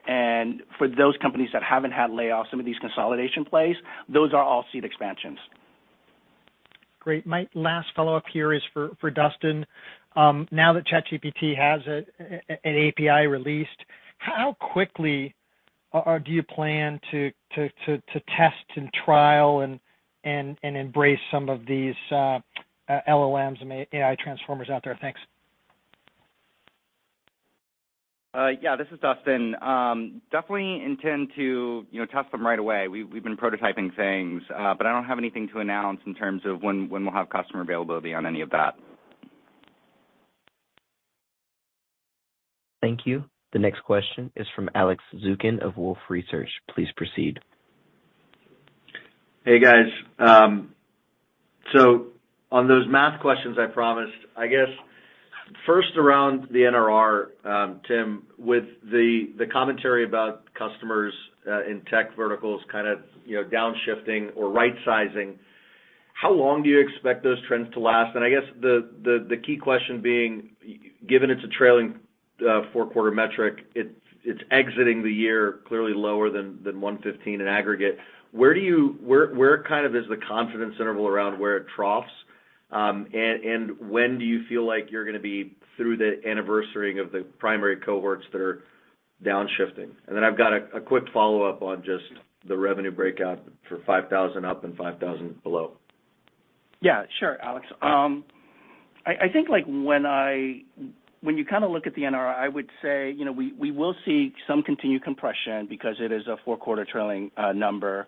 S5: For those companies that haven't had layoffs, some of these consolidation plays, those are all seat expansions.
S11: Great. My last follow-up here is for Dustin. Now that ChatGPT has an API released, how quickly do you plan to test and trial and embrace some of these LLMs and AI transformers out there? Thanks.
S3: Yeah. This is Dustin. Definitely intend to, you know, test them right away. We've been prototyping things, but I don't have anything to announce in terms of when we'll have customer availability on any of that.
S1: Thank you. The next question is from Alex Zukin of Wolfe Research. Please proceed.
S8: Hey, guys. On those math questions I promised, I guess first around the NRR, Tim, with the commentary about customers in tech verticals kind of, you know, downshifting or rightsizing, how long do you expect those trends to last? I guess the key question being, given it's a trailing Q4 metric, it's exiting the year clearly lower than 115 in aggregate. Where kind of is the confidence interval around where it troughs, and when do you feel like you're gonna be through the anniversarying of the primary cohorts that are downshifting? I've got a quick follow-up on just the revenue breakout for 5,000 up and 5,000 below.
S5: Yeah. Sure, Alex. I think, like, when you kind of look at the NRR, I would say, you know, we will see some continued compression because it is a four-quarter trailing number.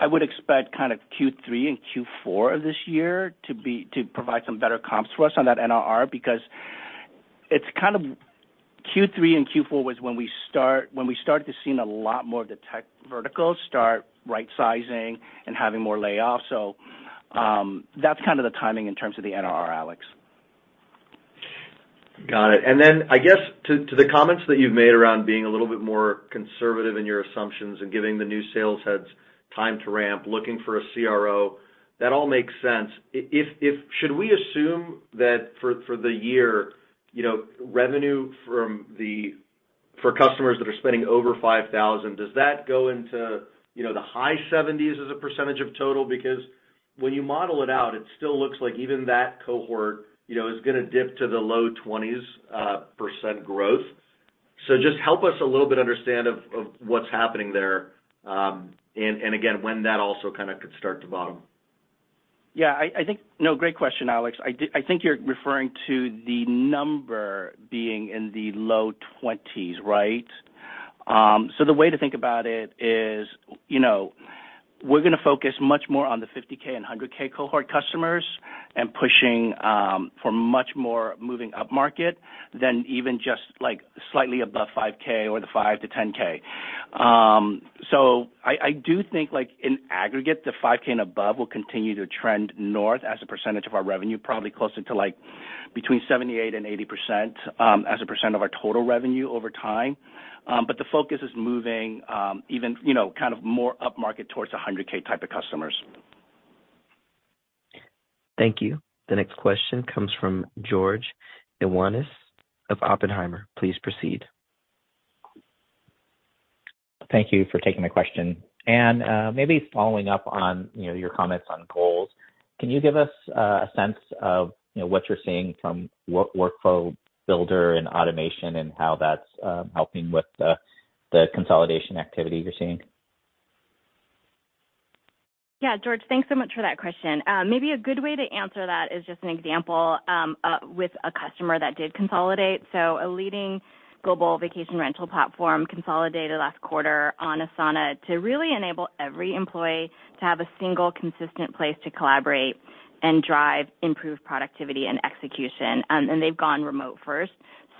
S5: I would expect kind of Q3 and Q4 of this year to provide some better comps for us on that NRR, because it's kind of Q3 and Q4 was when we start, when we started to seen a lot more of the tech verticals start rightsizing and having more layoffs. That's kind of the timing in terms of the NRR, Alex.
S12: Got it. I guess to the comments that you've made around being a little bit more conservative in your assumptions and giving the new sales heads time to ramp, looking for a CRO, that all makes sense. If should we assume that for the year, you know, revenue for customers that are spending over $5,000, does that go into, you know, the high 70s as a percentage of total? Because when you model it out, it still looks like even that cohort, you know, is gonna dip to the low 20s percent growth. Just help us a little bit understand what's happening there, and again, when that also kinda could start to bottom.
S5: Yeah, I think. No, great question, Alex. I think you're referring to the number being in the low 20s, right? The way to think about it is, you know, we're gonna focus much more on the $50K and $100K cohort customers and pushing for much more moving upmarket than even just, like, slightly above $5K or the $5K-$10K. I do think, like, in aggregate, the $5K and above will continue to trend north as a percentage of our revenue, probably closer to, like, between 78% and 80%, as a percent of our total revenue over time. The focus is moving, even, you know, kind of more upmarket towards the $100K type of customers.
S1: Thank you. The next question comes from George Iwanyc of Oppenheimer. Please proceed.
S13: Thank you for taking my question. Anne, maybe following up on, you know, your comments on Goals, can you give us a sense of, you know, what you're seeing from workflow builder and automation and how that's helping with the consolidation activity you're seeing?
S4: Yeah. George, thanks so much for that question. Maybe a good way to answer that is just an example with a customer that did consolidate. A leading global vacation rental platform consolidated last quarter on Asana to really enable every employee to have a single consistent place to collaborate and drive improved productivity and execution. And they've gone remote first.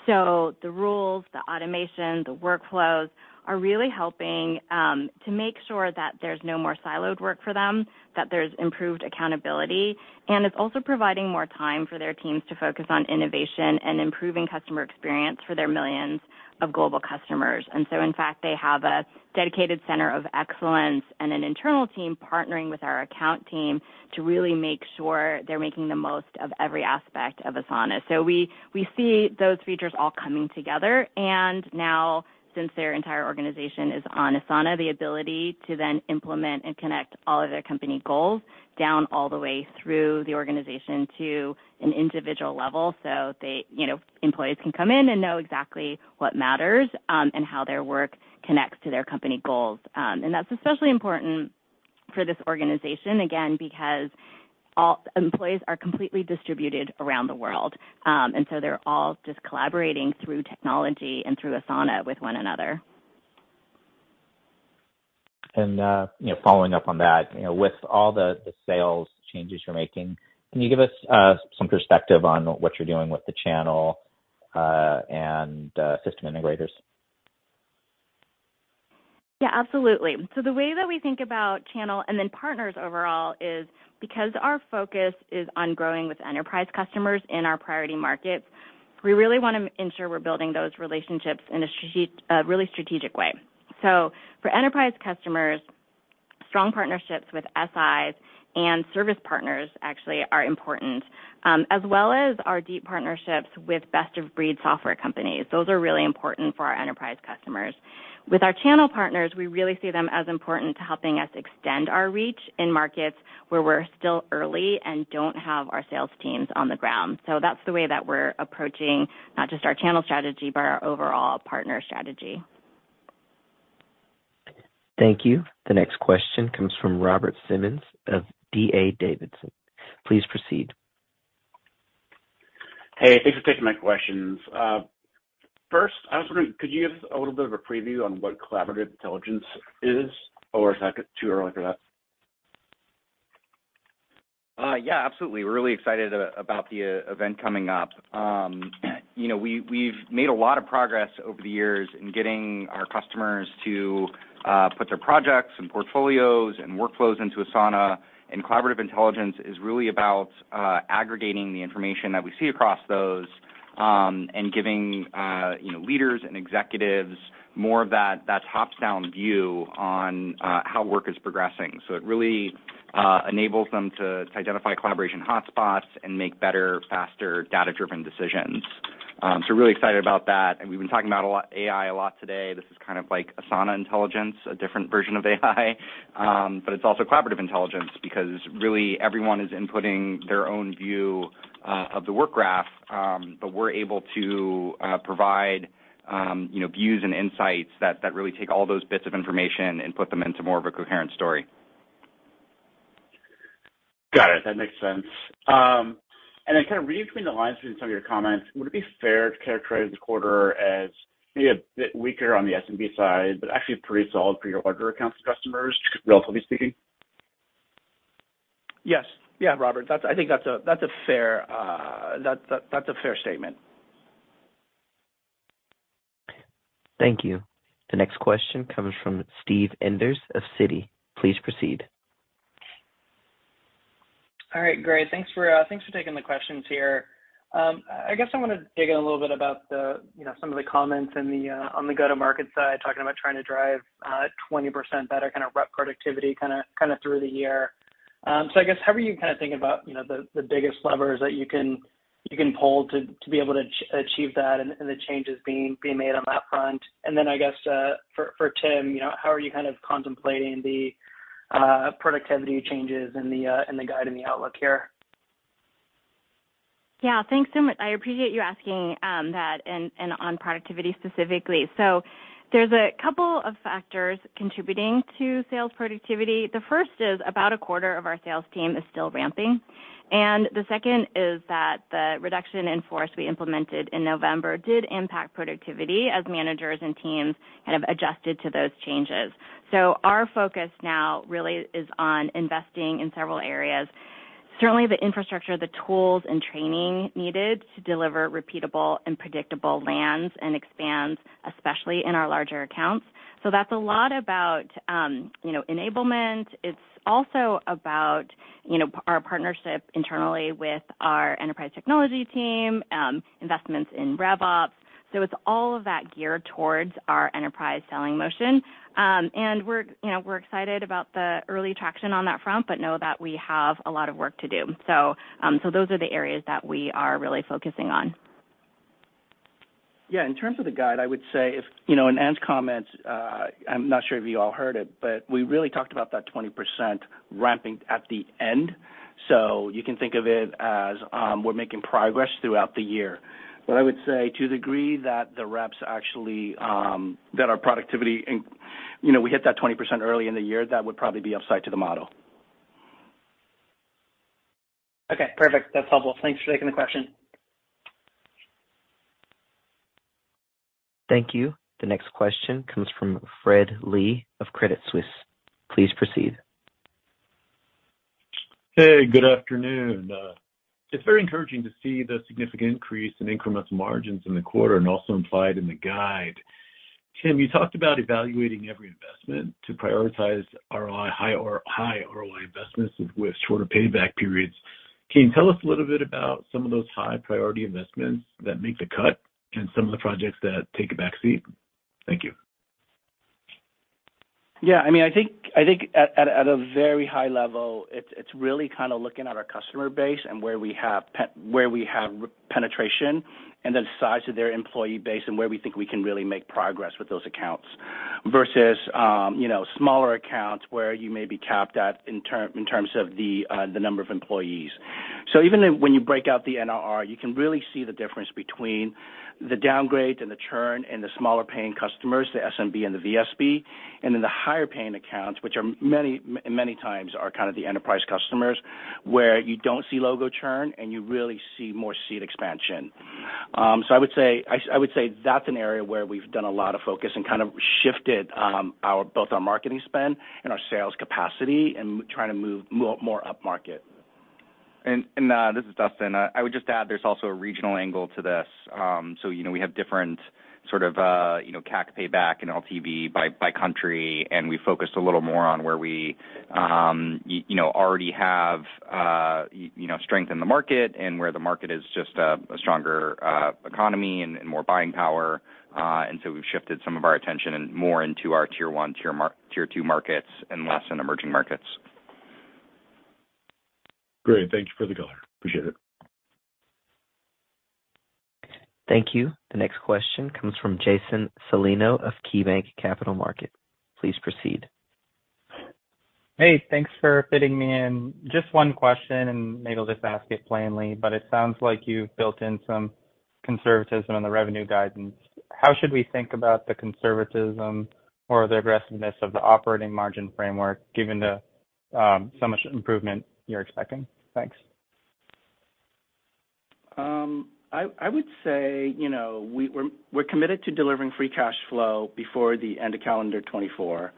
S4: The rules, the automation, the workflows are really helping to make sure that there's no more siloed work for them, that there's improved accountability, and it's also providing more time for their teams to focus on innovation and improving customer experience for their millions of global customers. In fact, they have a dedicated center of excellence and an internal team partnering with our account team to really make sure they're making the most of every aspect of Asana. We see those features all coming together. Now, since their entire organization is on Asana, the ability to then implement and connect all of their company goals down all the way through the organization to an individual level so they, you know, employees can come in and know exactly what matters, and how their work connects to their company goals. That's especially important for this organization, again, because all employees are completely distributed around the world. They're all just collaborating through technology and through Asana with one another.
S13: You know, following up on that, you know, with all the sales changes you're making, can you give us some perspective on what you're doing with the channel and System Integrators?
S4: The way that we think about channel and then partners overall is because our focus is on growing with enterprise customers in our priority markets, we really wanna ensure we're building those relationships in a really strategic way. For enterprise customers, strong partnerships with SIs and service partners actually are important, as well as our deep partnerships with best-of-breed software companies. Those are really important for our enterprise customers. With our channel partners, we really see them as important to helping us extend our reach in markets where we're still early and don't have our sales teams on the ground. That's the way that we're approaching not just our channel strategy, but our overall partner strategy.
S1: Thank you. The next question comes from Robert Simmons of D.A. Davidson. Please proceed.
S14: Hey, thanks for taking my questions. first, I was wondering, could you give us a little bit of a preview on what Collaborative Intelligence is, or is that too early for that?
S3: Yeah, absolutely. We're really excited about the event coming up. you know, we've made a lot of progress over the years in getting our customers to put their projects and Portfolios and workflows into Asana, Collaborative Intelligence is really about aggregating the information that we see across those and giving, you know, leaders and executives more of that top-down view on how work is progressing. It really enables them to identify collaboration hotspots and make better, faster data-driven decisions. So really excited about that. We've been talking about AI a lot today. This is kind of like Asana Intelligence, a different version of AI, but it's also Collaborative Intelligence because really everyone is inputting their own view of the Work Graph. We're able to provide, you know, views and insights that really take all those bits of information and put them into more of a coherent story.
S14: Got it. That makes sense. Kind of reading between the lines between some of your comments, would it be fair to characterize the quarter as maybe a bit weaker on the SMB side, but actually pretty solid for your larger accounts customers, relatively speaking?
S5: Yes. Yeah, Robert, I think that's a fair statement.
S1: Thank you. The next question comes from Steve Enders of Citi. Please proceed.
S15: All right. Great. Thanks for taking the questions here. I guess I wanna dig in a little bit about the, you know, some of the comments in the on the go-to-market side, talking about trying to drive 20% better kinda rep productivity kinda through the year. I guess however you kinda think about, you know, the biggest levers that you can pull to achieve that and the changes being made on that front. I guess for Tim, you know, how are you kind of contemplating the productivity changes and the guide and the outlook here?
S4: Thanks so much. I appreciate you asking that and on productivity specifically. There's a couple of factors contributing to sales productivity. The first is about a quarter of our sales team is still ramping, and the second is that the reduction in force we implemented in November did impact productivity as managers and teams kind of adjusted to those changes. Our focus now really is on investing in several areas. Certainly the infrastructure, the tools and training needed to deliver repeatable and predictable lands and expands, especially in our larger accounts. That's a lot about, you know, enablement. It's also about, you know, our partnership internally with our enterprise technology team, investments in RevOps. It's all of that geared towards our enterprise selling motion. We're, you know, we're excited about the early traction on that front, but know that we have a lot of work to do. Those are the areas that we are really focusing on.
S5: Yeah. In terms of the guide, I would say if, you know, in Anne's comments, I'm not sure if you all heard it, but we really talked about that 20% ramping at the end. You can think of it as, we're making progress throughout the year. I would say to the degree that the reps actually, that our productivity, you know, we hit that 20% early in the year, that would probably be upside to the model.
S15: Okay, perfect. That's helpful. Thanks for taking the question.
S1: Thank you. The next question comes from Fred Lee of Credit Suisse. Please proceed.
S16: Hey, good afternoon. It's very encouraging to see the significant increase in incremental margins in the quarter and also implied in the guide. Tim, you talked about evaluating every investment to prioritize high ROI investments with shorter payback periods. Can you tell us a little bit about some of those high priority investments that make the cut and some of the projects that take a back seat? Thank you.
S5: Yeah, I mean, I think at a very high level, it's really kinda looking at our customer base and where we have penetration and the size of their employee base and where we think we can really make progress with those accounts versus, you know, smaller accounts where you may be capped at in terms of the number of employees. Even if when you break out the NRR, you can really see the difference between the downgrades and the churn and the smaller paying customers, the SMB and the VSB, and then the higher paying accounts, which are many times are kind of the enterprise customers, where you don't see logo churn and you really see more seat expansion. I would say that's an area where we've done a lot of focus and kind of shifted, both our marketing spend and our sales capacity and trying to move more upmarket.
S3: This is Dustin. I would just add there's also a regional angle to this. You know, we have different sort of, you know, CAC payback and LTV by country, and we focused a little more on where we, you know, already have, you know, strength in the market and where the market is just a stronger economy and more buying power. We've shifted some of our attention and more into our Tier 1, Tier 2 markets and less in emerging markets.
S16: Great. Thank you for the color. Appreciate it.
S1: Thank you. The next question comes from Jason Celino of KeyBanc Capital Markets. Please proceed.
S17: Hey, thanks for fitting me in. Just one question, and maybe I'll just ask it plainly, but it sounds like you've built in some conservatism in the revenue guidance. How should we think about the conservatism or the aggressiveness of the operating margin framework given the so much improvement you're expecting? Thanks.
S5: I would say, you know, we're committed to delivering free cash flow before the end of calendar 2024.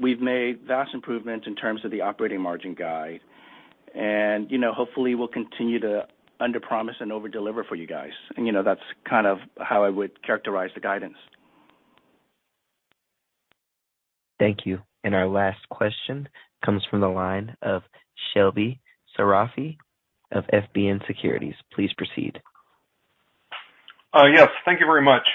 S5: We've made vast improvements in terms of the operating margin guide and, you know, hopefully we'll continue to underpromise and overdeliver for you guys. You know, that's kind of how I would characterize the guidance.
S1: Thank you. Our last question comes from the line of Shebly Seyrafi of FBN Securities. Please proceed.
S18: Yes, thank you very much.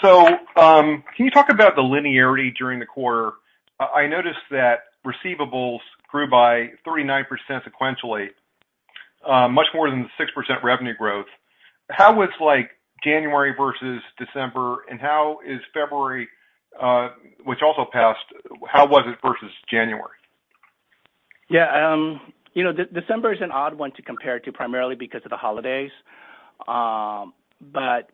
S18: Can you talk about the linearity during the quarter? I noticed that receivables grew by 39% sequentially, much more than the 6% revenue growth. How was like January versus December, and how is February, which also passed, how was it versus January?
S5: Yeah. you know, December is an odd one to compare to primarily because of the holidays.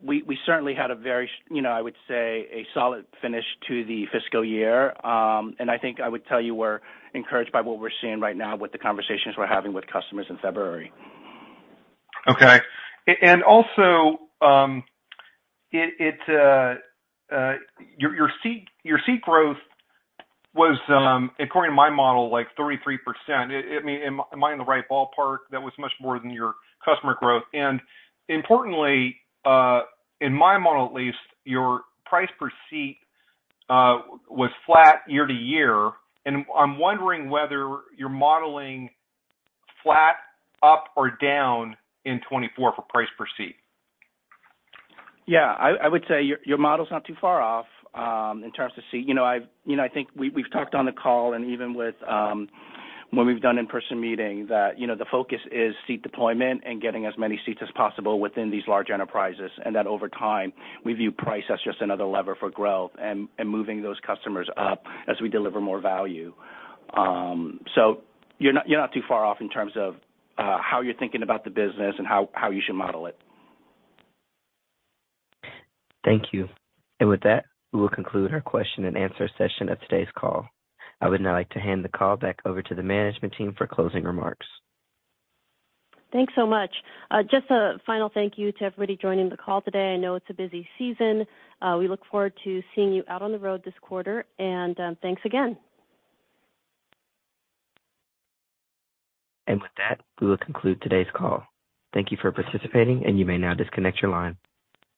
S5: We certainly had a very, you know, I would say a solid finish to the fiscal year. I think I would tell you we're encouraged by what we're seeing right now with the conversations we're having with customers in February.
S18: Okay. Also, it your seat growth was according to my model, like 33%. I mean, am I in the right ballpark? That was much more than your customer growth. Importantly, in my model at least, your price per seat was flat year-over-year, and I'm wondering whether you're modeling flat, up or down in 2024 for price per seat.
S5: Yeah, I would say your model's not too far off in terms of seat. You know, I think we've talked on the call and even with, when we've done in-person meeting that, you know, the focus is seat deployment and getting as many seats as possible within these large enterprises, and that over time, we view price as just another lever for growth and moving those customers up as we deliver more value. You're not, you're not too far off in terms of how you're thinking about the business and how you should model it.
S1: Thank you. With that, we'll conclude our question and answer session of today's call. I would now like to hand the call back over to the management team for closing remarks.
S4: Thanks so much. Just a final thank you to everybody joining the call today. I know it's a busy season. We look forward to seeing you out on the road this quarter. Thanks again.
S1: With that, we will conclude today's call. Thank you for participating, and you may now disconnect your line.